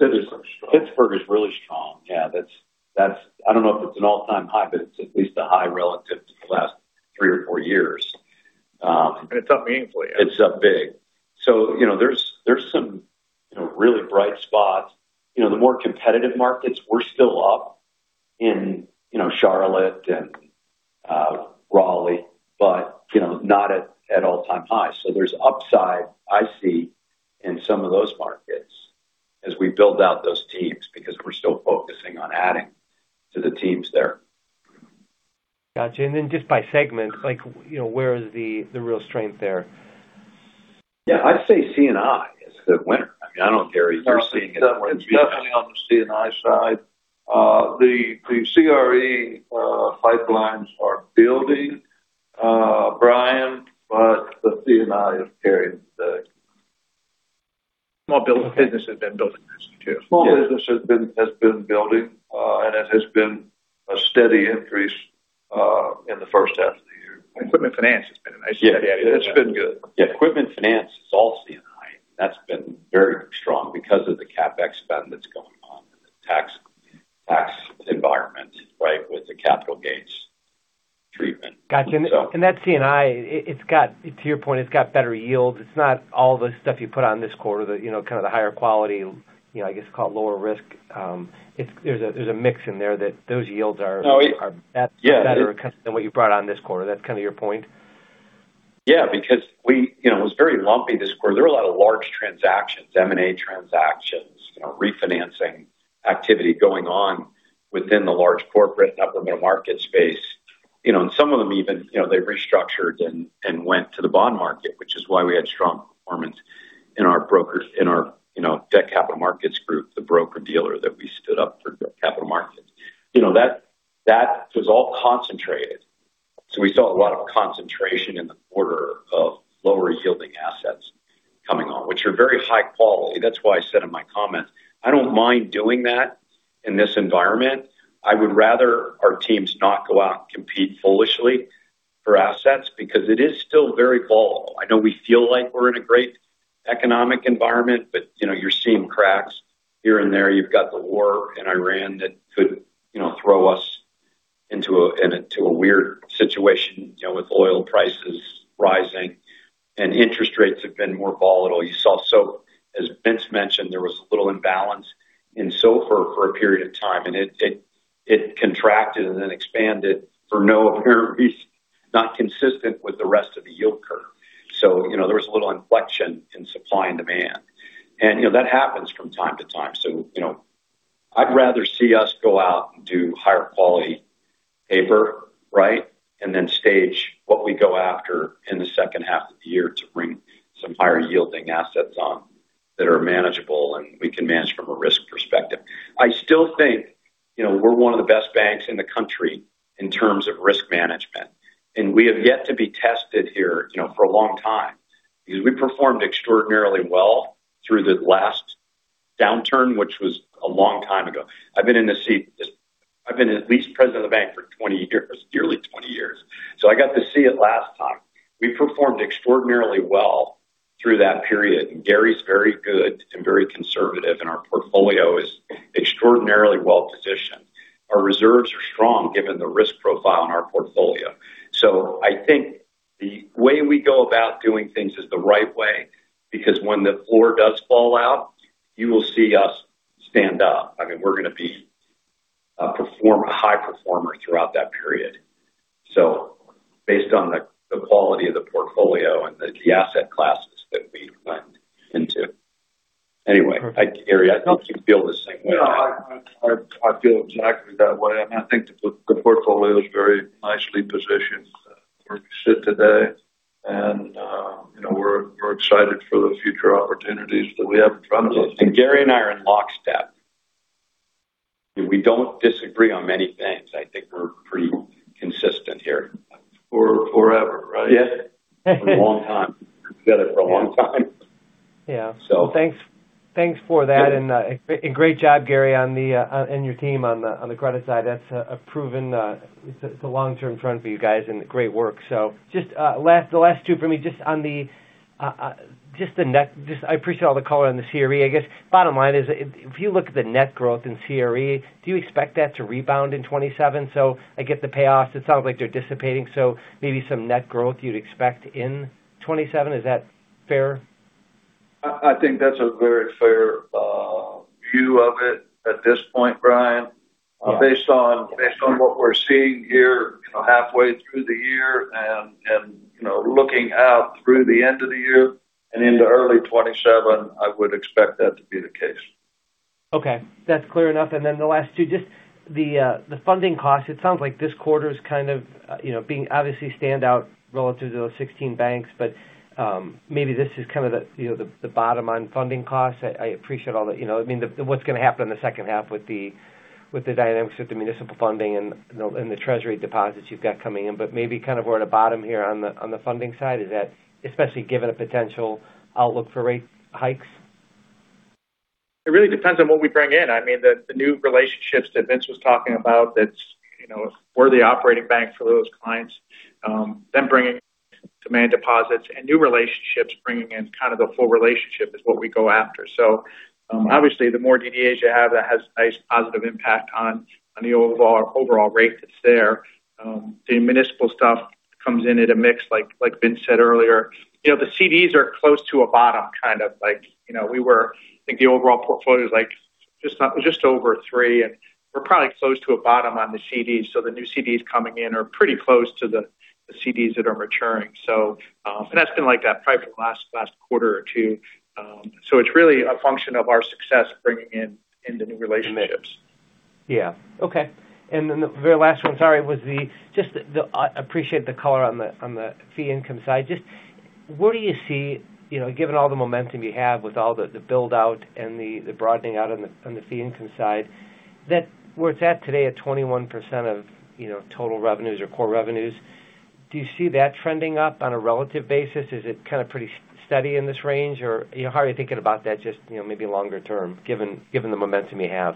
Pittsburgh's strong. Pittsburgh is really strong. Yeah. I don't know if it's an all-time high, but it's at least a high relative to the last three or four years. It's up meaningfully. It's up big. There's some really bright spots. The more competitive markets, we're still up in Charlotte and Raleigh, but not at all-time highs. There's upside I see in some of those markets as we build out those teams because we're still focusing on adding to the teams there. Got you. Then just by segment, where is the real strength there? Yeah, I'd say C&I is the winner. I don't know, Gary, if you're seeing it more than me. It's definitely on the C&I side. The CRE pipelines are building, Brian, but the C&I is carrying the day. Small business has been building nicely too. Small business has been building, and it has been a steady increase in the first half of the year. Equipment finance has been nice. Yeah. It's been good. Yeah. Equipment finance is all C&I. That's been very strong because of the CapEx spend that's going on in the tax environment with the capital gains treatment. Got you. That C&I, to your point, it's got better yields. It's not all the stuff you put on this quarter, kind of the higher quality, I guess called lower risk. There's a mix in there that those yields are. No. Better than what you brought on this quarter. That's kind of your point? Because it was very lumpy this quarter. There were a lot of large transactions, M&A transactions, refinancing activity going on within the large corporate and upper middle market space. Some of them even restructured and went to the bond market, which is why we had strong performance in our debt capital markets group, the broker-dealer that we stood up for capital markets. That was all concentrated. We saw a lot of concentration in the quarter of lower yielding assets coming on, which are very high quality. That's why I said in my comments, I don't mind doing that in this environment. I would rather our teams not go out and compete foolishly for assets because it is still very volatile. I know we feel like we're in a great economic environment, you're seeing cracks here and there. You've got the war in Iran that could throw us into a weird situation with oil prices rising, interest rates have been more volatile. As Vince mentioned, there was a little imbalance in SOFR for a period of time, it contracted and then expanded for no apparent reason, not consistent with the rest of the yield curve. There was a little inflection in supply and demand. That happens from time to time. I'd rather see us go out and do higher quality paper, right? Then stage what we go after in the second half of the year to bring some higher yielding assets on that are manageable, and we can manage from a risk perspective. I still think we're one of the best banks in the country in terms of risk management, we have yet to be tested here for a long time because we performed extraordinarily well through the last downturn, which was a long time ago. I've been at least president of the bank for 20 years, nearly 20 years. I got to see it last time. We performed extraordinarily well through that period, Gary's very good and very conservative, our portfolio is extraordinarily well-positioned. Our reserves are strong given the risk profile in our portfolio. I think the way we go about doing things is the right way because when the floor does fall out, you will see us stand up. We're going to be a high performer throughout that period based on the quality of the portfolio and the asset classes that we lend into. Anyway. Thanks, Gary. I know you feel the same way. Yeah. I feel exactly that way, I think the portfolio is very nicely positioned where we sit today. We're excited for the future opportunities that we have in front of us. Gary and I are in lockstep. We don't disagree on many things. I think we're pretty consistent here. Forever, right? Yes. A long time. Been together for a long time. Yeah. So. Thanks for that. Great job, Gary, and your team on the credit side. It's a long-term trend for you guys, great work. Just the last two for me. I appreciate all the color on the CRE. I guess bottom line is, if you look at the net growth in CRE, do you expect that to rebound in 2027? I get the payoffs. It sounds like they're dissipating, so maybe some net growth you'd expect in 2027. Is that fair? I think that's a very fair view of it at this point, Brian. Yeah. Based on what we're seeing here halfway through the year and looking out through the end of the year and into early 2027, I would expect that to be the case. Okay. That's clear enough. Then the last two, just the funding cost, it sounds like this quarter's obviously standout relative to those 16 banks, maybe this is the bottom on funding costs. I appreciate all the What's going to happen in the second half with the dynamics with the municipal funding and the treasury deposits you've got coming in. Maybe we're at a bottom here on the funding side, especially given a potential outlook for rate hikes. It really depends on what we bring in. I mean, the new relationships that Vince was talking about, that's we're the operating bank for those clients. Them bringing demand deposits and new relationships, bringing in kind of the full relationship is what we go after. Obviously, the more DDs you have, that has a nice positive impact on the overall rate that's there. The municipal stuff comes in at a mix like Vince said earlier. The CDs are close to a bottom, kind of. I think the overall portfolio is just over three, and we're probably close to a bottom on the CDs. The new CDs coming in are pretty close to the CDs that are maturing. That's been like that probably for the last quarter or two. It's really a function of our success bringing in the new relationships. Yeah. Okay. The very last one, sorry. I appreciate the color on the fee income side. Just where do you see, given all the momentum you have with all the build-out and the broadening out on the fee income side, that where it's at today at 21% of total revenues or core revenues, do you see that trending up on a relative basis? Is it pretty steady in this range? How are you thinking about that just maybe longer term, given the momentum you have?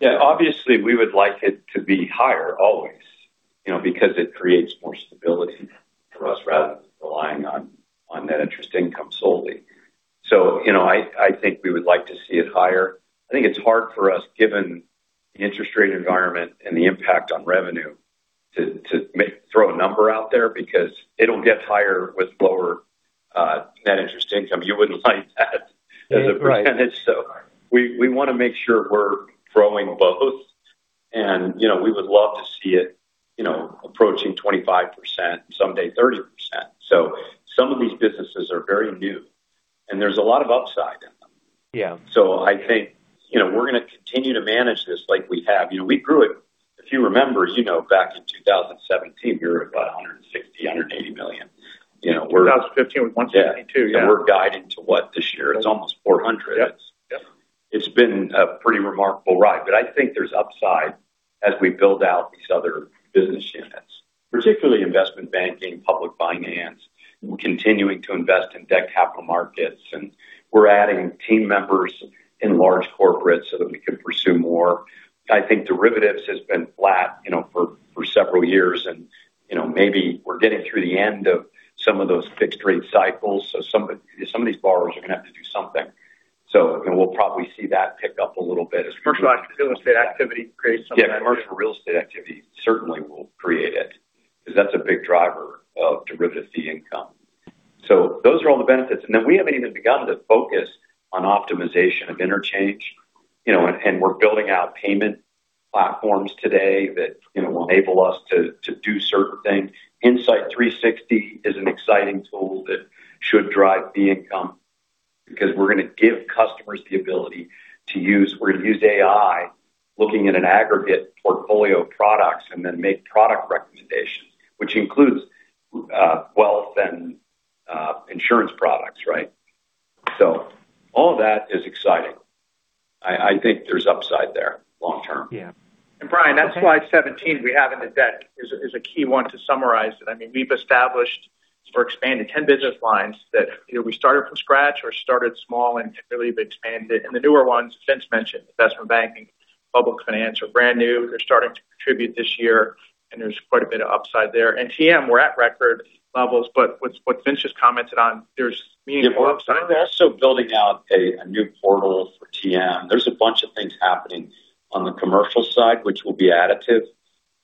Yeah. Obviously, we would like it to be higher always because it creates more stability for us rather than relying on that interest income solely. I think we would like to see it higher. I think it's hard for us, given the interest rate environment and the impact on revenue to throw a number out there because it'll get higher with lower net interest income. You wouldn't like that as a percentage. Right. We want to make sure we're growing both, we would love to see it approaching 25%, someday 30%. Some of these businesses are very new, and there's a lot of upside in them. Yeah. I think we're going to continue to manage this like we have. We grew it. If you remember, back in 2017, we were about $160 million-$180 million. 2015 was $172 million. We're guiding to what this year? It's almost $400 million. Yep. It's been a pretty remarkable ride. I think there's upside as we build out these other business units, particularly investment banking, public finance. We're continuing to invest in debt capital markets, and we're adding team members in large corporate so that we can pursue more. I think derivatives has been flat for several years, and maybe we're getting through the end of some of those fixed rate cycles. Some of these borrowers are going to have to do something. We'll probably see that pick up a little bit as we move into. Commercial real estate activity creates some of that too. Yeah, commercial real estate activity certainly will create it because that's a big driver of derivative fee income. Those are all the benefits. Then we haven't even begun to focus on optimization of interchange. We're building out payment platforms today that will enable us to do certain things. Insight 360 is an exciting tool that should drive fee income because we're going to give customers the ability to use AI, looking at an aggregate portfolio of products, then make product recommendations, which includes wealth and insurance products, right? All that is exciting. I think there's upside there long term. Yeah. Brian, that's slide 17 we have in the deck is a key one to summarize it. We've established or expanded 10 business lines that we started from scratch or started small and really expanded. The newer ones Vince mentioned, investment banking, public finance, are brand new. They're starting to contribute this year, and there's quite a bit of upside there. TM, we're at record levels, but what Vince just commented on, there's meaningful upside there. We're also building out a new portal for TM. There's a bunch of things happening on the commercial side which will be additive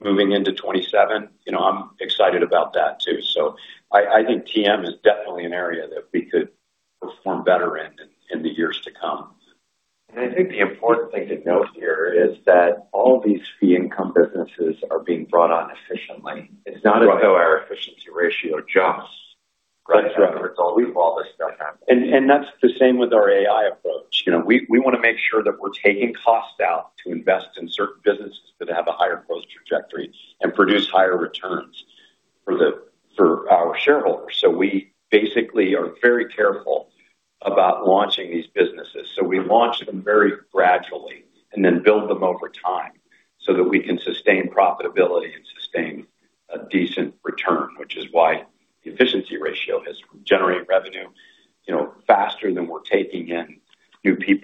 moving into 2027. I'm excited about that too. I think TM is definitely an area that we could perform better in the years to come. I think the important thing to note here is that all these fee income businesses are being brought on efficiently. It's not as though our efficiency ratio jumps right as a result of all this stuff happening. That's the same with our AI approach. We want to make sure that we're taking costs out to invest in certain businesses that have a higher growth trajectory and produce higher returns for our shareholders. We basically are very careful about launching these businesses. We launch them very gradually and then build them over time so that we can sustain profitability and sustain a decent return, which is why the efficiency ratio has generated revenue faster than we're taking in,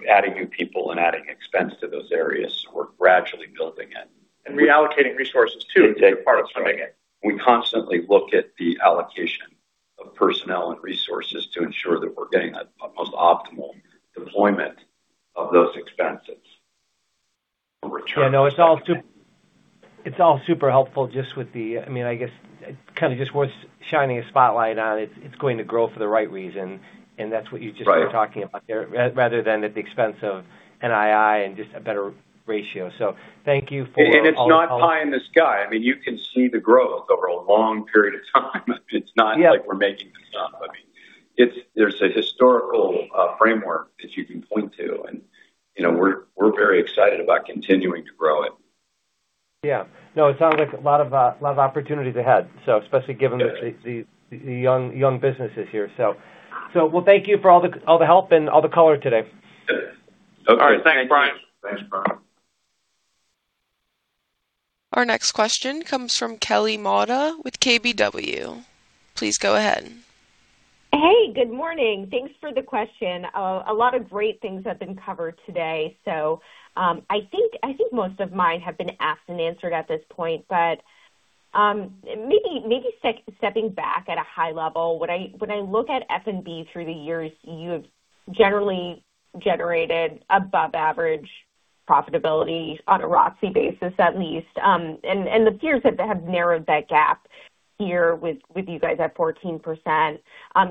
adding new people and adding expense to those areas. We're gradually building it. Reallocating resources too is a part of it. We constantly look at the allocation of personnel and resources to ensure that we're getting a most optimal deployment of those expenses and return. Yeah, no, it's all super helpful just with the, I guess, kind of just worth shining a spotlight on it. It's going to grow for the right reason, and that's what you just were talking about there, rather than at the expense of NII and just a better ratio. Thank you for all the help. It's not pie in the sky. You can see the growth over a long period of time. It's not like we're making this up. There's a historical framework that you can point to, we're very excited about continuing to grow it. Yeah. It sounds like a lot of opportunities ahead, especially given these young businesses here. Well, thank you for all the help and all the color today. Good. All right. Thanks, Brian. Thanks, Brian. Our next question comes from Kelly Motta with KBW. Please go ahead. Hey, good morning. Thanks for the question. A lot of great things have been covered today. I think most of mine have been asked and answered at this point. Maybe stepping back at a high level, when I look at F.N.B. through the years, you have generally generated above average profitability on a ROCE basis, at least. The peers have narrowed that gap here with you guys at 14%.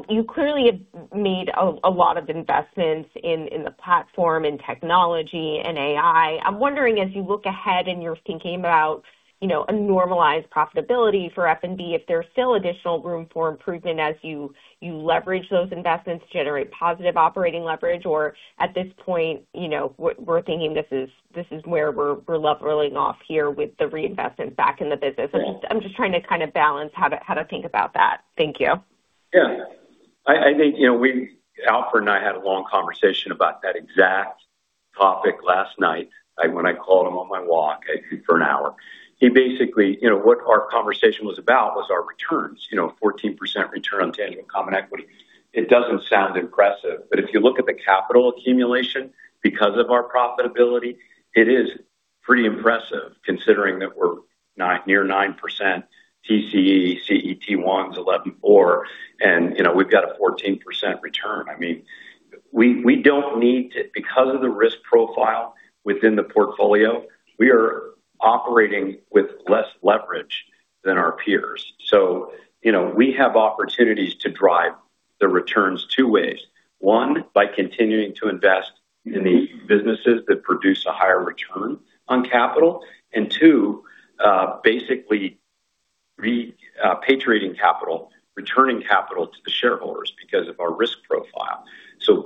You clearly have made a lot of investments in the platform and technology and AI. I'm wondering as you look ahead and you're thinking about a normalized profitability for F.N.B., if there's still additional room for improvement as you leverage those investments to generate positive operating leverage or at this point, we're thinking this is where we're leveling off here with the reinvestment back in the business. I'm just trying to kind of balance how to think about that. Thank you. Alfred and I had a long conversation about that exact topic last night when I called him on my walk for an hour. Basically, what our conversation was about was our returns, 14% return on tangible common equity. It doesn't sound impressive, but if you look at the capital accumulation because of our profitability, it is pretty impressive considering that we're near 9% TCE, CET1 is 11-4, and we've got a 14% return. Because of the risk profile within the portfolio, we are operating with less leverage than our peers. We have opportunities to drive the returns two ways. One, by continuing to invest in the businesses that produce a higher return on capital. Two basically repatriating capital, returning capital to the shareholders because of our risk profile.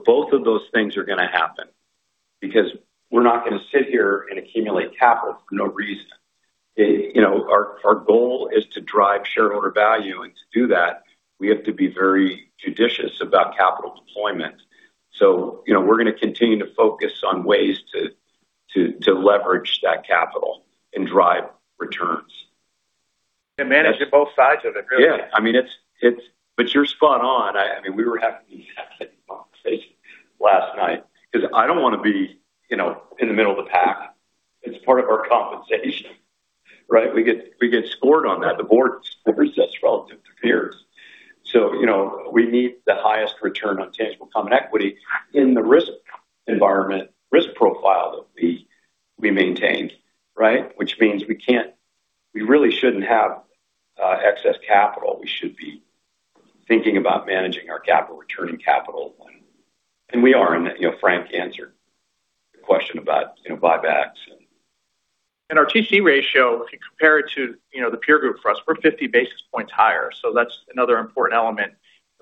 Both of those things are going to happen because we're not going to sit here and accumulate capital for no reason. Our goal is to drive shareholder value, and to do that, we have to be very judicious about capital deployment. We're going to continue to focus on ways to leverage that capital and drive returns. Managing both sides of it, really. You're spot on. We were having that same conversation last night because I don't want to be in the middle of the pack. It's part of our compensation, right? We get scored on that. The board expects relative to peers. We need the highest return on tangible common equity in the risk environment, risk profile that we maintain, right? Which means we really shouldn't have excess capital. We should be thinking about managing our capital, returning capital. And we are, Frank answered the question about buybacks. Our TC ratio, if you compare it to the peer group for us, we're 50 basis points higher. That's another important element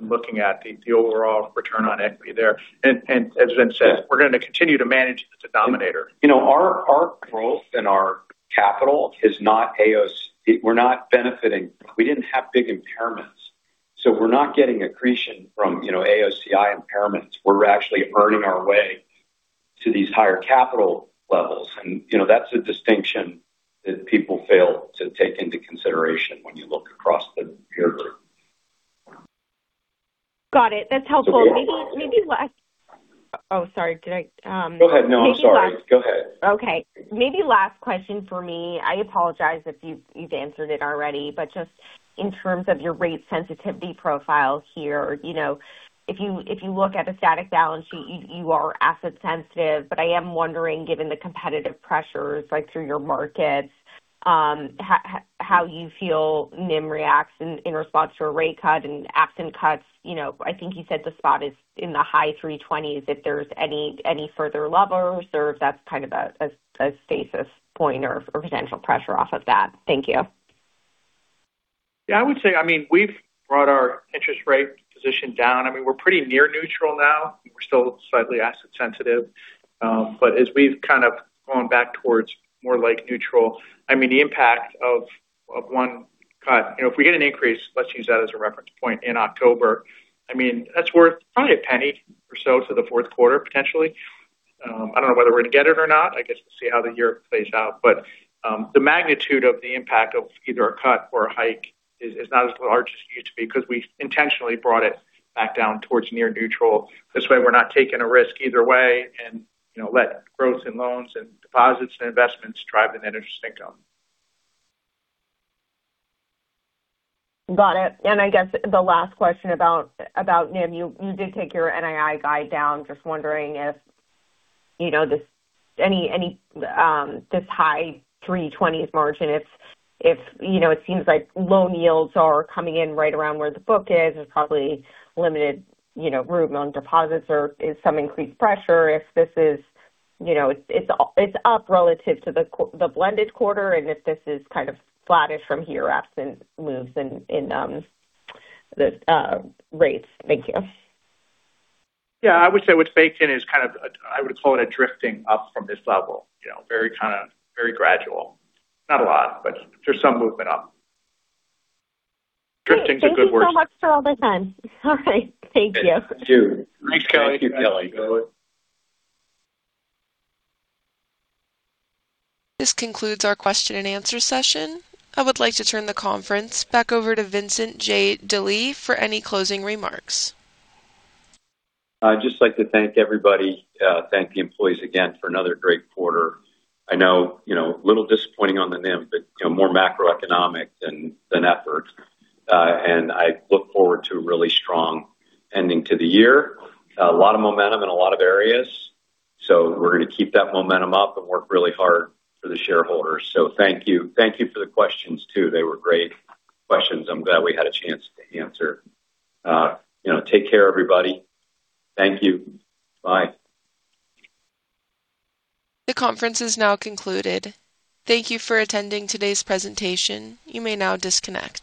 in looking at the overall return on equity there. As Vince said, we're going to continue to manage the denominator. Our growth and our capital is not AOCI. We're not benefiting. We didn't have big impairments, so we're not getting accretion from AOCI impairments. We're actually earning our way to these higher capital levels. That's a distinction that people fail to take into consideration when you look across the peer group. Got it. That's helpful. Oh, sorry, did I. Go ahead. No, I'm sorry. Go ahead. Okay. Maybe last question for me. I apologize if you've answered it already, but just in terms of your rate sensitivity profile here, if you look at the static balance sheet, you are asset sensitive. I am wondering, given the competitive pressures through your markets, how you feel NIM reacts in response to a rate cut and absent cuts. I think you said the spot is in the high 320s. If there's any further levels or if that's kind of a stasis point or potential pressure off of that. Thank you. Yeah, I would say, we've brought our interest rate position down. We're pretty near neutral now. We're still slightly asset sensitive. As we've kind of gone back towards more like neutral, the impact of one cut. If we get an increase, let's use that as a reference point, in October, that's worth probably a penny or so to the fourth quarter, potentially. I don't know whether we're going to get it or not. I guess we'll see how the year plays out. The magnitude of the impact of either a cut or a hike is not as large as it used to be because we intentionally brought it back down towards near neutral. This way, we're not taking a risk either way and let growth in loans and deposits and investments drive the net interest income. Got it. I guess the last question about NIM. You did take your NII guide down. Just wondering if this high 320s margin, it seems like loan yields are coming in right around where the book is. There's probably limited room on deposits or is some increased pressure if it's up relative to the blended quarter and if this is kind of flattish from here, absent moves in the rates. Thank you. Yeah, I would say what's baked in is kind of, I would call it a drifting up from this level. Very gradual. Not a lot, but there's some movement up. Drifting's a good word. Thank you so much for all the time. All right, thank you. Thank you. Thanks, Kelly. This concludes our question and answer session. I would like to turn the conference back over to Vincent J. Delie. for any closing remarks. I'd just like to thank everybody, thank the employees again for another great quarter. I know, a little disappointing on the NIM, but more macroeconomic than effort. I look forward to a really strong ending to the year. A lot of momentum in a lot of areas. We're going to keep that momentum up and work really hard for the shareholders. Thank you. Thank you for the questions too. They were great questions. I'm glad we had a chance to answer. Take care, everybody. Thank you. Bye. The conference is now concluded. Thank you for attending today's presentation. You may now disconnect.